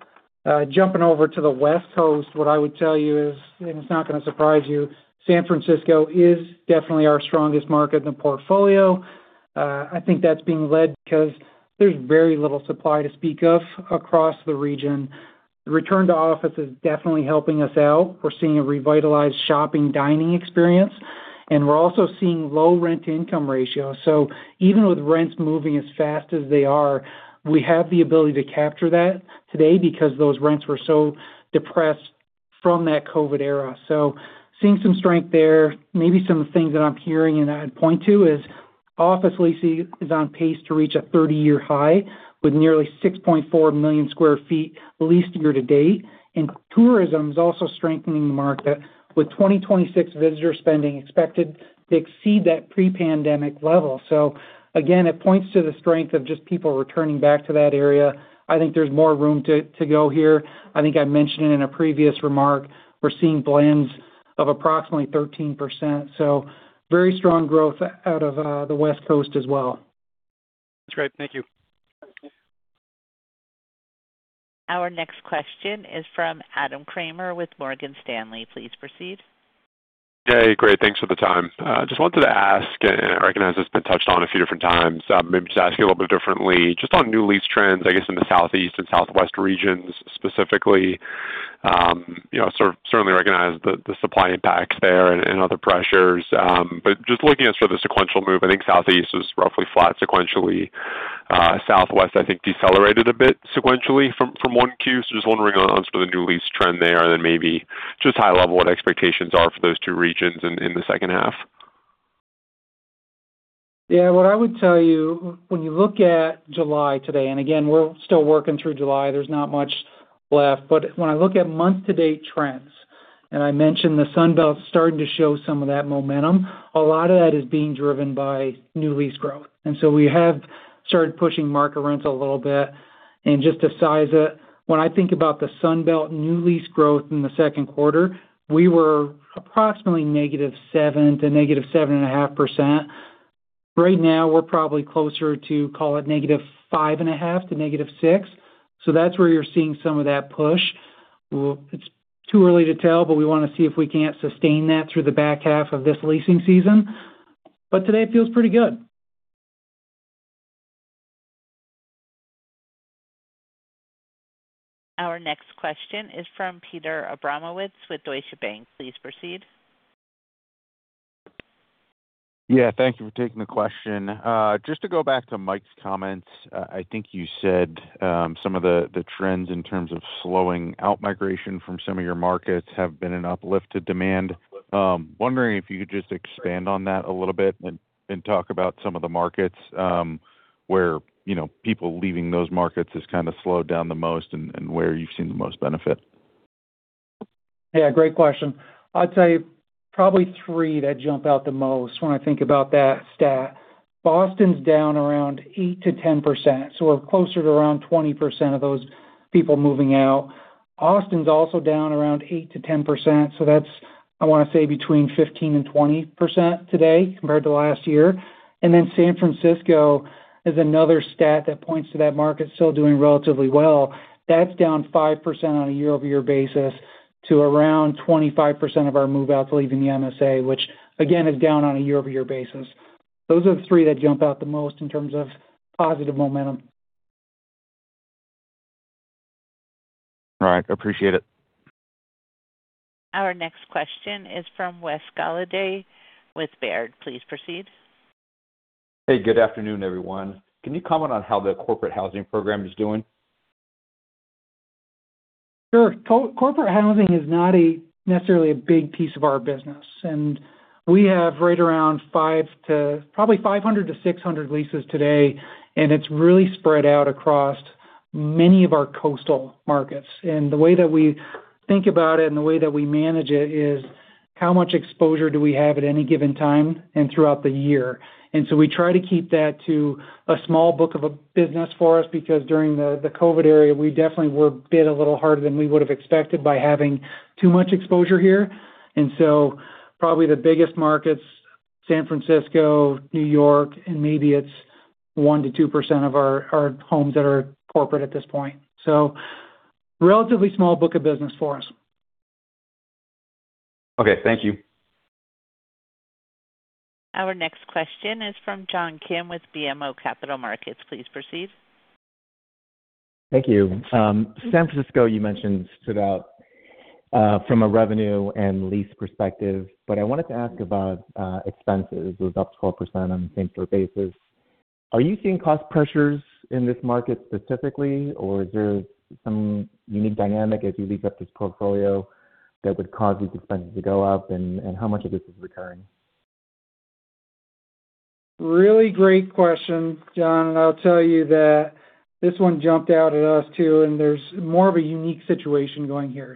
Jumping over to the West Coast, what I would tell you is, and it's not going to surprise you, San Francisco is definitely our strongest market in the portfolio. I think that's being led because there's very little supply to speak of across the region. The return to office is definitely helping us out. We're seeing a revitalized shopping, dining experience, and we're also seeing low rent-to-income ratio. Even with rents moving as fast as they are, we have the ability to capture that today because those rents were so depressed from that COVID era. Seeing some strength there. Maybe some of the things that I'm hearing, and I'd point to is office leasing is on pace to reach a 30-year high with nearly 6.4 million sq ft leased year-to-date. Tourism is also strengthening the market, with 2026 visitor spending expected to exceed that pre-pandemic level. Again, it points to the strength of just people returning back to that area. I think there's more room to go here. I think I mentioned it in a previous remark. We're seeing blends of approximately 13%, so very strong growth out of the West Coast as well. That's great. Thank you. Our next question is from Adam Kramer with Morgan Stanley. Please proceed. Great. Thanks for the time. Just wanted to ask, I recognize it's been touched on a few different times, maybe just ask you a little bit differently, just on new lease trends, I guess, in the Southeast and Southwest regions specifically. Certainly recognize the supply impacts there and other pressures. Just looking at sort of the sequential move, I think Southeast is roughly flat sequentially. Southwest, I think decelerated a bit sequentially from 1Q. Just wondering on sort of the new lease trend there, then maybe just high level what expectations are for those two regions in the second half. What I would tell you, when you look at July today, again, we're still working through July, there's not much left. When I look at month-to-date trends, I mentioned the Sun Belt's starting to show some of that momentum, a lot of that is being driven by new lease growth. We have started pushing market rents a little bit. Just to size it, when I think about the Sun Belt new lease growth in the second quarter, we were approximately -7% to -7.5%. Right now, we're probably closer to call it -5.5% to -6%. That's where you're seeing some of that push. It's too early to tell, we want to see if we can't sustain that through the back half of this leasing season. Today it feels pretty good. Our next question is from Peter Abramowitz with Deutsche Bank. Please proceed. Yeah, thank you for taking the question. Just to go back to Mike's comments, I think you said some of the trends in terms of slowing outmigration from some of your markets have been an uplift to demand. Wondering if you could just expand on that a little bit and talk about some of the markets, where people leaving those markets has kind of slowed down the most and where you've seen the most benefit. Yeah, great question. I'd say probably three that jump out the most when I think about that stat. Boston's down around 8% to 10%, so we're closer to around 20% of those people moving out. Austin's also down around 8% to 10%, so that's, I want to say between 15% and 20% today compared to last year. San Francisco is another stat that points to that market still doing relatively well. That's down 5% on a year-over-year basis to around 25% of our move outs leaving the MSA, which again, is down on a year-over-year basis. Those are the three that jump out the most in terms of positive momentum. All right. Appreciate it. Our next question is from Wes Golladay with Baird. Please proceed. Hey, good afternoon, everyone. Can you comment on how the corporate housing program is doing? Sure. Corporate housing is not necessarily a big piece of our business. We have right around probably 500 to 600 leases today, and it's really spread out across many of our coastal markets. The way that we think about it and the way that we manage it is how much exposure do we have at any given time and throughout the year. We try to keep that to a small book of a business for us because during the COVID era, we definitely were bit a little harder than we would've expected by having too much exposure here. Probably the biggest markets, San Francisco, New York, and maybe it's 1%-2% of our homes that are corporate at this point. Relatively small book of business for us. Okay. Thank you. Our next question is from John Kim with BMO Capital Markets. Please proceed. Thank you. San Francisco, you mentioned stood out from a revenue and lease perspective, I wanted to ask about expenses was up 12% on the same store basis. Are you seeing cost pressures in this market specifically, or is there some unique dynamic as you lease up this portfolio that would cause these expenses to go up? How much of this is recurring? Really great question, John, I'll tell you that this one jumped out at us too, and there's more of a unique situation going here.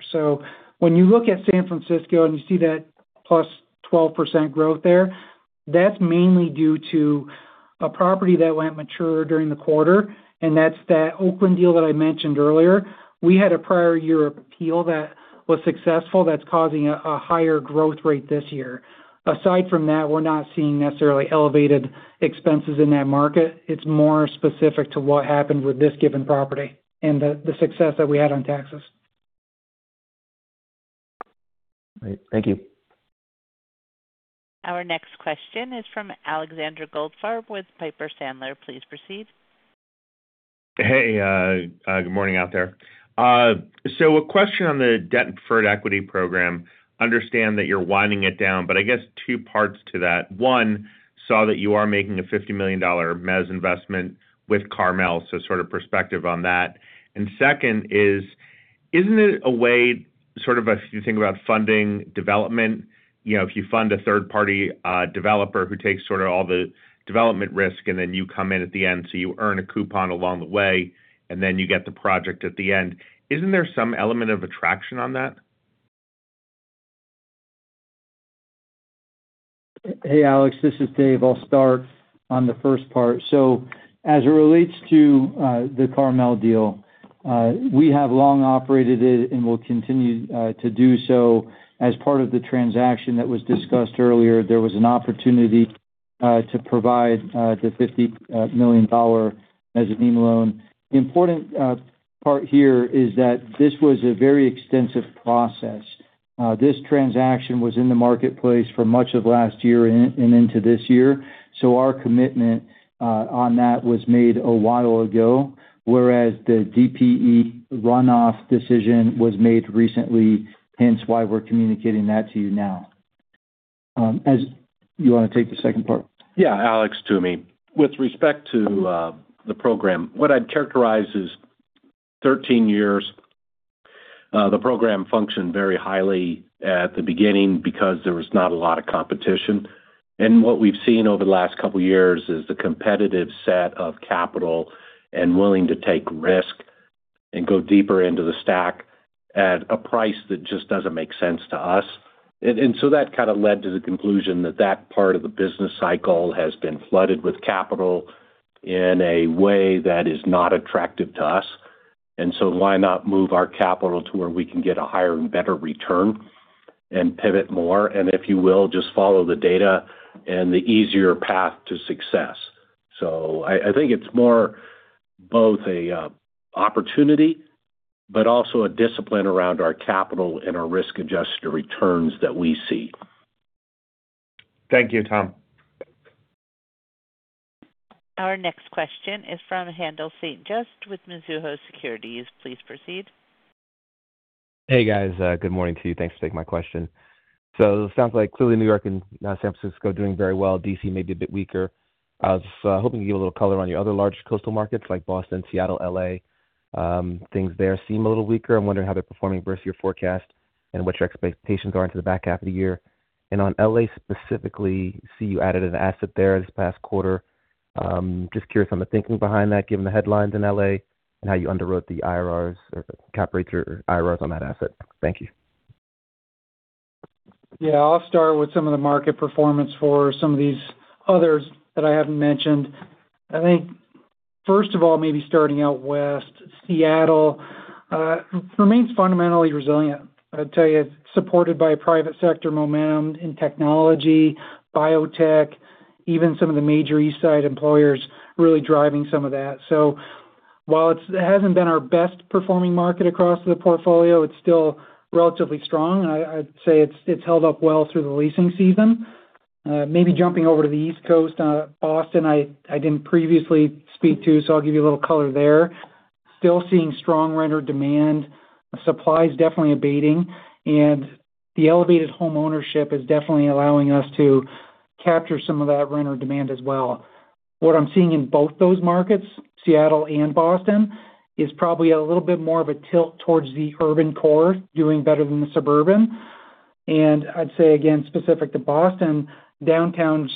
When you look at San Francisco and you see that plus 12% growth there, that's mainly due to a property that went mature during the quarter, and that's that Oakland deal that I mentioned earlier. We had a prior year appeal that was successful that's causing a higher growth rate this year. Aside from that, we're not seeing necessarily elevated expenses in that market. It's more specific to what happened with this given property and the success that we had on taxes. Great. Thank you. Our next question is from Alexander Goldfarb with Piper Sandler. Please proceed. Hey, good morning out there. A question on the debt-for-equity program. Understand that you're winding it down, I guess two parts to that. One, saw that you are making a $50 million mezzanine investment with Carmel, sort of perspective on that. Second is, isn't it a way, if you think about funding development, if you fund a third-party developer who takes all the development risk, and then you come in at the end, you earn a coupon along the way, and then you get the project at the end. Isn't there some element of attraction on that? Hey, Alex, this is Dave. I'll start on the first part. As it relates to the Carmel deal, we have long operated it and will continue to do so. As part of the transaction that was discussed earlier, there was an opportunity to provide the $50 million mezzanine loan. The important part here is that this was a very extensive process. This transaction was in the marketplace for much of last year and into this year. Our commitment on that was made a while ago, whereas the DPE runoff decision was made recently, hence why we're communicating that to you now. You want to take the second part? Yeah. Alex, it's Toomey. With respect to the program, what I'd characterize is 13 years. The program functioned very highly at the beginning because there was not a lot of competition. What we've seen over the last couple of years is the competitive set of capital and willing to take risk and go deeper into the stack at a price that just doesn't make sense to us. That kind of led to the conclusion that that part of the business cycle has been flooded with capital in a way that is not attractive to us. Why not move our capital to where we can get a higher and better return and pivot more, and if you will, just follow the data and the easier path to success. I think it's more both a opportunity, but also a discipline around our capital and our risk-adjusted returns that we see. Thank you, Tom. Our next question is from Haendel St. Juste with Mizuho Securities. Please proceed. Hey, guys. Good morning to you. Thanks for taking my question. It sounds like clearly New York and San Francisco are doing very well. D.C. may be a bit weaker. I was hoping you'd give a little color on your other large coastal markets like Boston, Seattle, L.A. Things there seem a little weaker. I'm wondering how they're performing versus your forecast and what your expectations are into the back half of the year. And on L.A. specifically, see you added an asset there this past quarter. Just curious on the thinking behind that, given the headlines in L.A. and how you underwrote the IRR or cap rate your IRR on that asset. Thank you. Yeah, I'll start with some of the market performance for some of these others that I haven't mentioned. I think first of all, maybe starting out west, Seattle remains fundamentally resilient. I'd tell you, it's supported by private sector momentum in technology, biotech, even some of the major East Side employers really driving some of that. While it hasn't been our best performing market across the portfolio, it's still relatively strong. I'd say it's held up well through the leasing season. Maybe jumping over to the East Coast, Boston, I didn't previously speak to, so I'll give you a little color there. Still seeing strong renter demand. Supply is definitely abating, and the elevated home ownership is definitely allowing us to capture some of that renter demand as well. What I'm seeing in both those markets, Seattle and Boston, is probably a little bit more of a tilt towards the urban core doing better than the suburban. I'd say again, specific to Boston, downtown's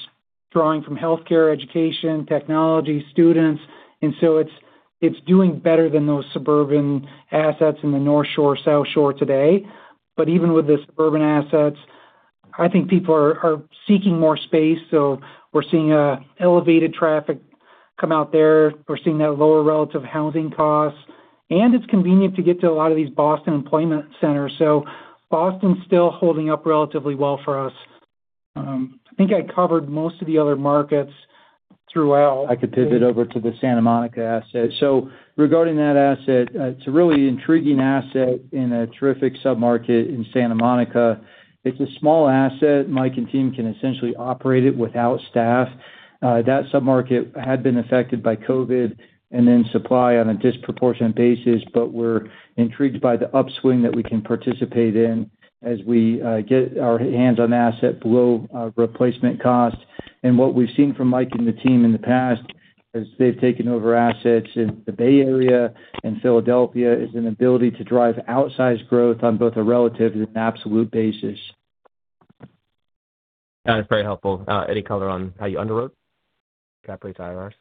drawing from healthcare, education, technology, students, and so it's doing better than those suburban assets in the North Shore, South Shore today. Even with the suburban assets, I think people are seeking more space, so we're seeing elevated traffic come out there. We're seeing that lower relative housing costs, and it's convenient to get to a lot of these Boston employment centers. Boston's still holding up relatively well for us. I think I covered most of the other markets throughout. I could pivot over to the Santa Monica asset. Regarding that asset, it's a really intriguing asset in a terrific sub-market in Santa Monica. It's a small asset. Mike and team can essentially operate it without staff. That sub-market had been affected by COVID and then supply on a disproportionate basis, but we're intrigued by the upswing that we can participate in as we get our hands on the asset below replacement cost. What we've seen from Mike and the team in the past, as they've taken over assets in the Bay Area and Philadelphia, is an ability to drive outsized growth on both a relative and absolute basis. That is very helpful. Any color on how you underwrote cap rates, IRR?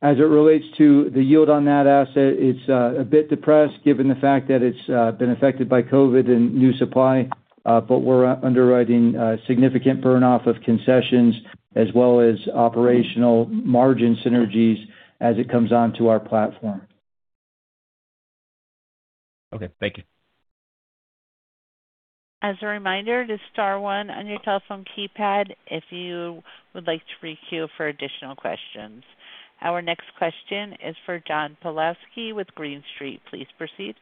As it relates to the yield on that asset, it's a bit depressed given the fact that it's been affected by COVID and new supply. We're underwriting significant burn-off of concessions as well as operational margin synergies as it comes onto our platform. Okay. Thank you. As a reminder, just star one on your telephone keypad if you would like to re-queue for additional questions. Our next question is for John Pawlowski with Green Street. Please proceed.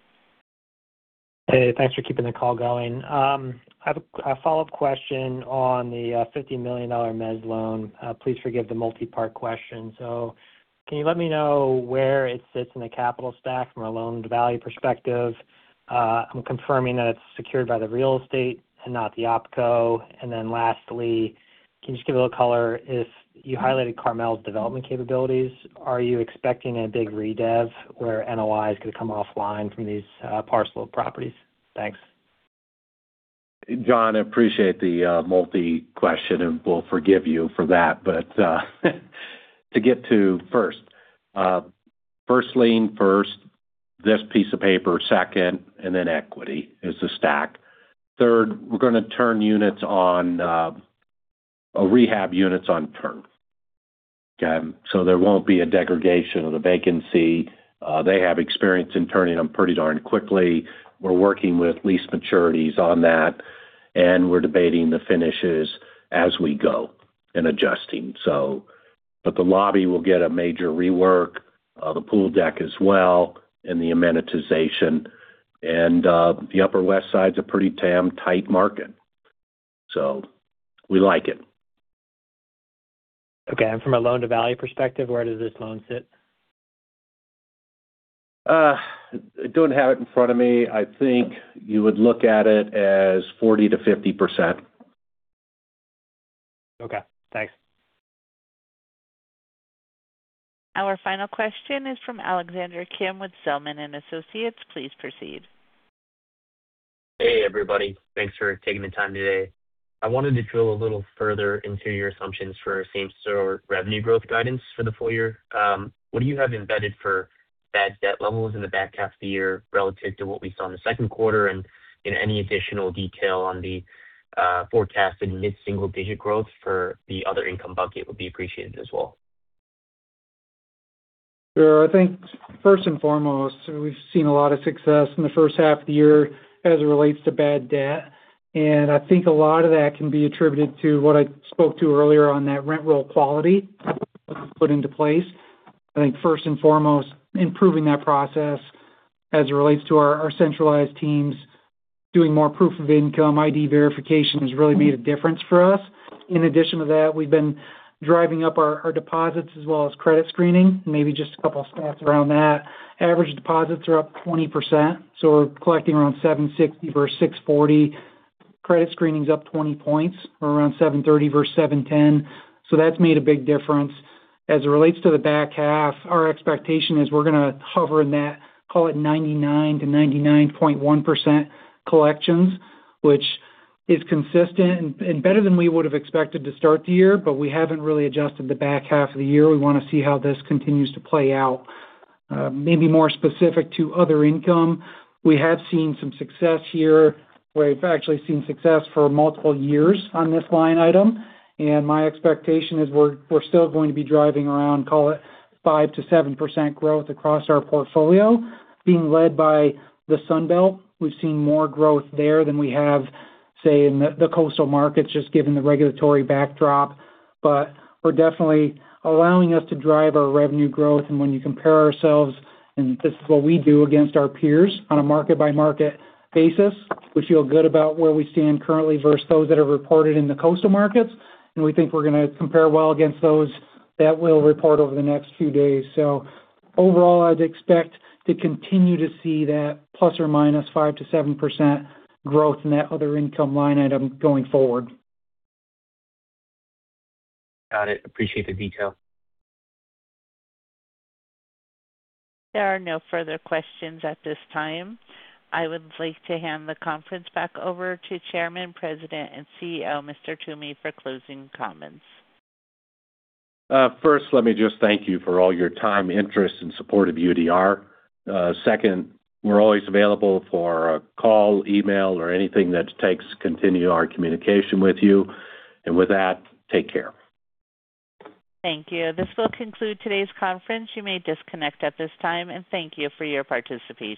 Hey, thanks for keeping the call going. I have a follow-up question on the $50 million mezzanine loan. Please forgive the multi-part question. Can you let me know where it sits in the capital stack from a loan-to-value perspective? I'm confirming that it's secured by the real estate and not the OpCo. Lastly, can you just give a little color, you highlighted Carmel's development capabilities. Are you expecting a big redev where NOI is going to come offline from these parcel properties? Thanks. John, I appreciate the multi question, and we'll forgive you for that. To get to first. First lien first, this piece of paper second, then equity is the stack. Third, we're going to rehab units on term. Okay. There won't be a degradation of the vacancy. They have experience in turning them pretty darn quickly. We're working with lease maturities on that, and we're debating the finishes as we go and adjusting. The lobby will get a major rework, the pool deck as well, and the amenitization. The Upper West Side's a pretty damn tight market, so we like it. Okay. From a loan-to-value perspective, where does this loan sit? I don't have it in front of me. I think you would look at it as 40% to 50%. Okay, thanks. Our final question is from Alexander Kim with Zelman & Associates. Please proceed. Hey, everybody. Thanks for taking the time today. I wanted to drill a little further into your assumptions for same-store revenue growth guidance for the full year. What do you have embedded for bad debt levels in the back half of the year relative to what we saw in the second quarter? Any additional detail on the forecast in mid-single-digit growth for the other income bucket would be appreciated as well. Sure. I think first and foremost, we've seen a lot of success in the first half of the year as it relates to bad debt, I think a lot of that can be attributed to what I spoke to earlier on that rent roll quality put into place. I think first and foremost, improving that process as it relates to our centralized teams doing more proof of income, ID verification has really made a difference for us. In addition to that, we've been driving up our deposits as well as credit screening. Maybe just a couple of stats around that. Average deposits are up 20%, so we're collecting around $760 versus $640. Credit screening's up 20 points. We're around $730 versus $710. That's made a big difference. As it relates to the back half, our expectation is we're going to hover in that, call it 99% to 99.1% collections, which is consistent and better than we would have expected to start the year, we haven't really adjusted the back half of the year. We want to see how this continues to play out. Maybe more specific to other income, we have seen some success here. We've actually seen success for multiple years on this line item, my expectation is we're still going to be driving around, call it 5% to 7% growth across our portfolio, being led by the Sun Belt. We've seen more growth there than we have, say, in the coastal markets, just given the regulatory backdrop. We're definitely allowing us to drive our revenue growth, and when you compare ourselves, and this is what we do against our peers on a market-by-market basis, we feel good about where we stand currently versus those that are reported in the coastal markets, and we think we're going to compare well against those that will report over the next few days. Overall, I'd expect to continue to see that ±5% to 7% growth in that other income line item going forward. Got it. Appreciate the detail. There are no further questions at this time. I would like to hand the conference back over to Chairman, President, and CEO, Mr. Toomey, for closing comments. First, let me just thank you for all your time, interest, and support of UDR. Second, we're always available for a call, email, or anything that it takes to continue our communication with you. With that, take care. Thank you. This will conclude today's conference. You may disconnect at this time and thank you for your participation.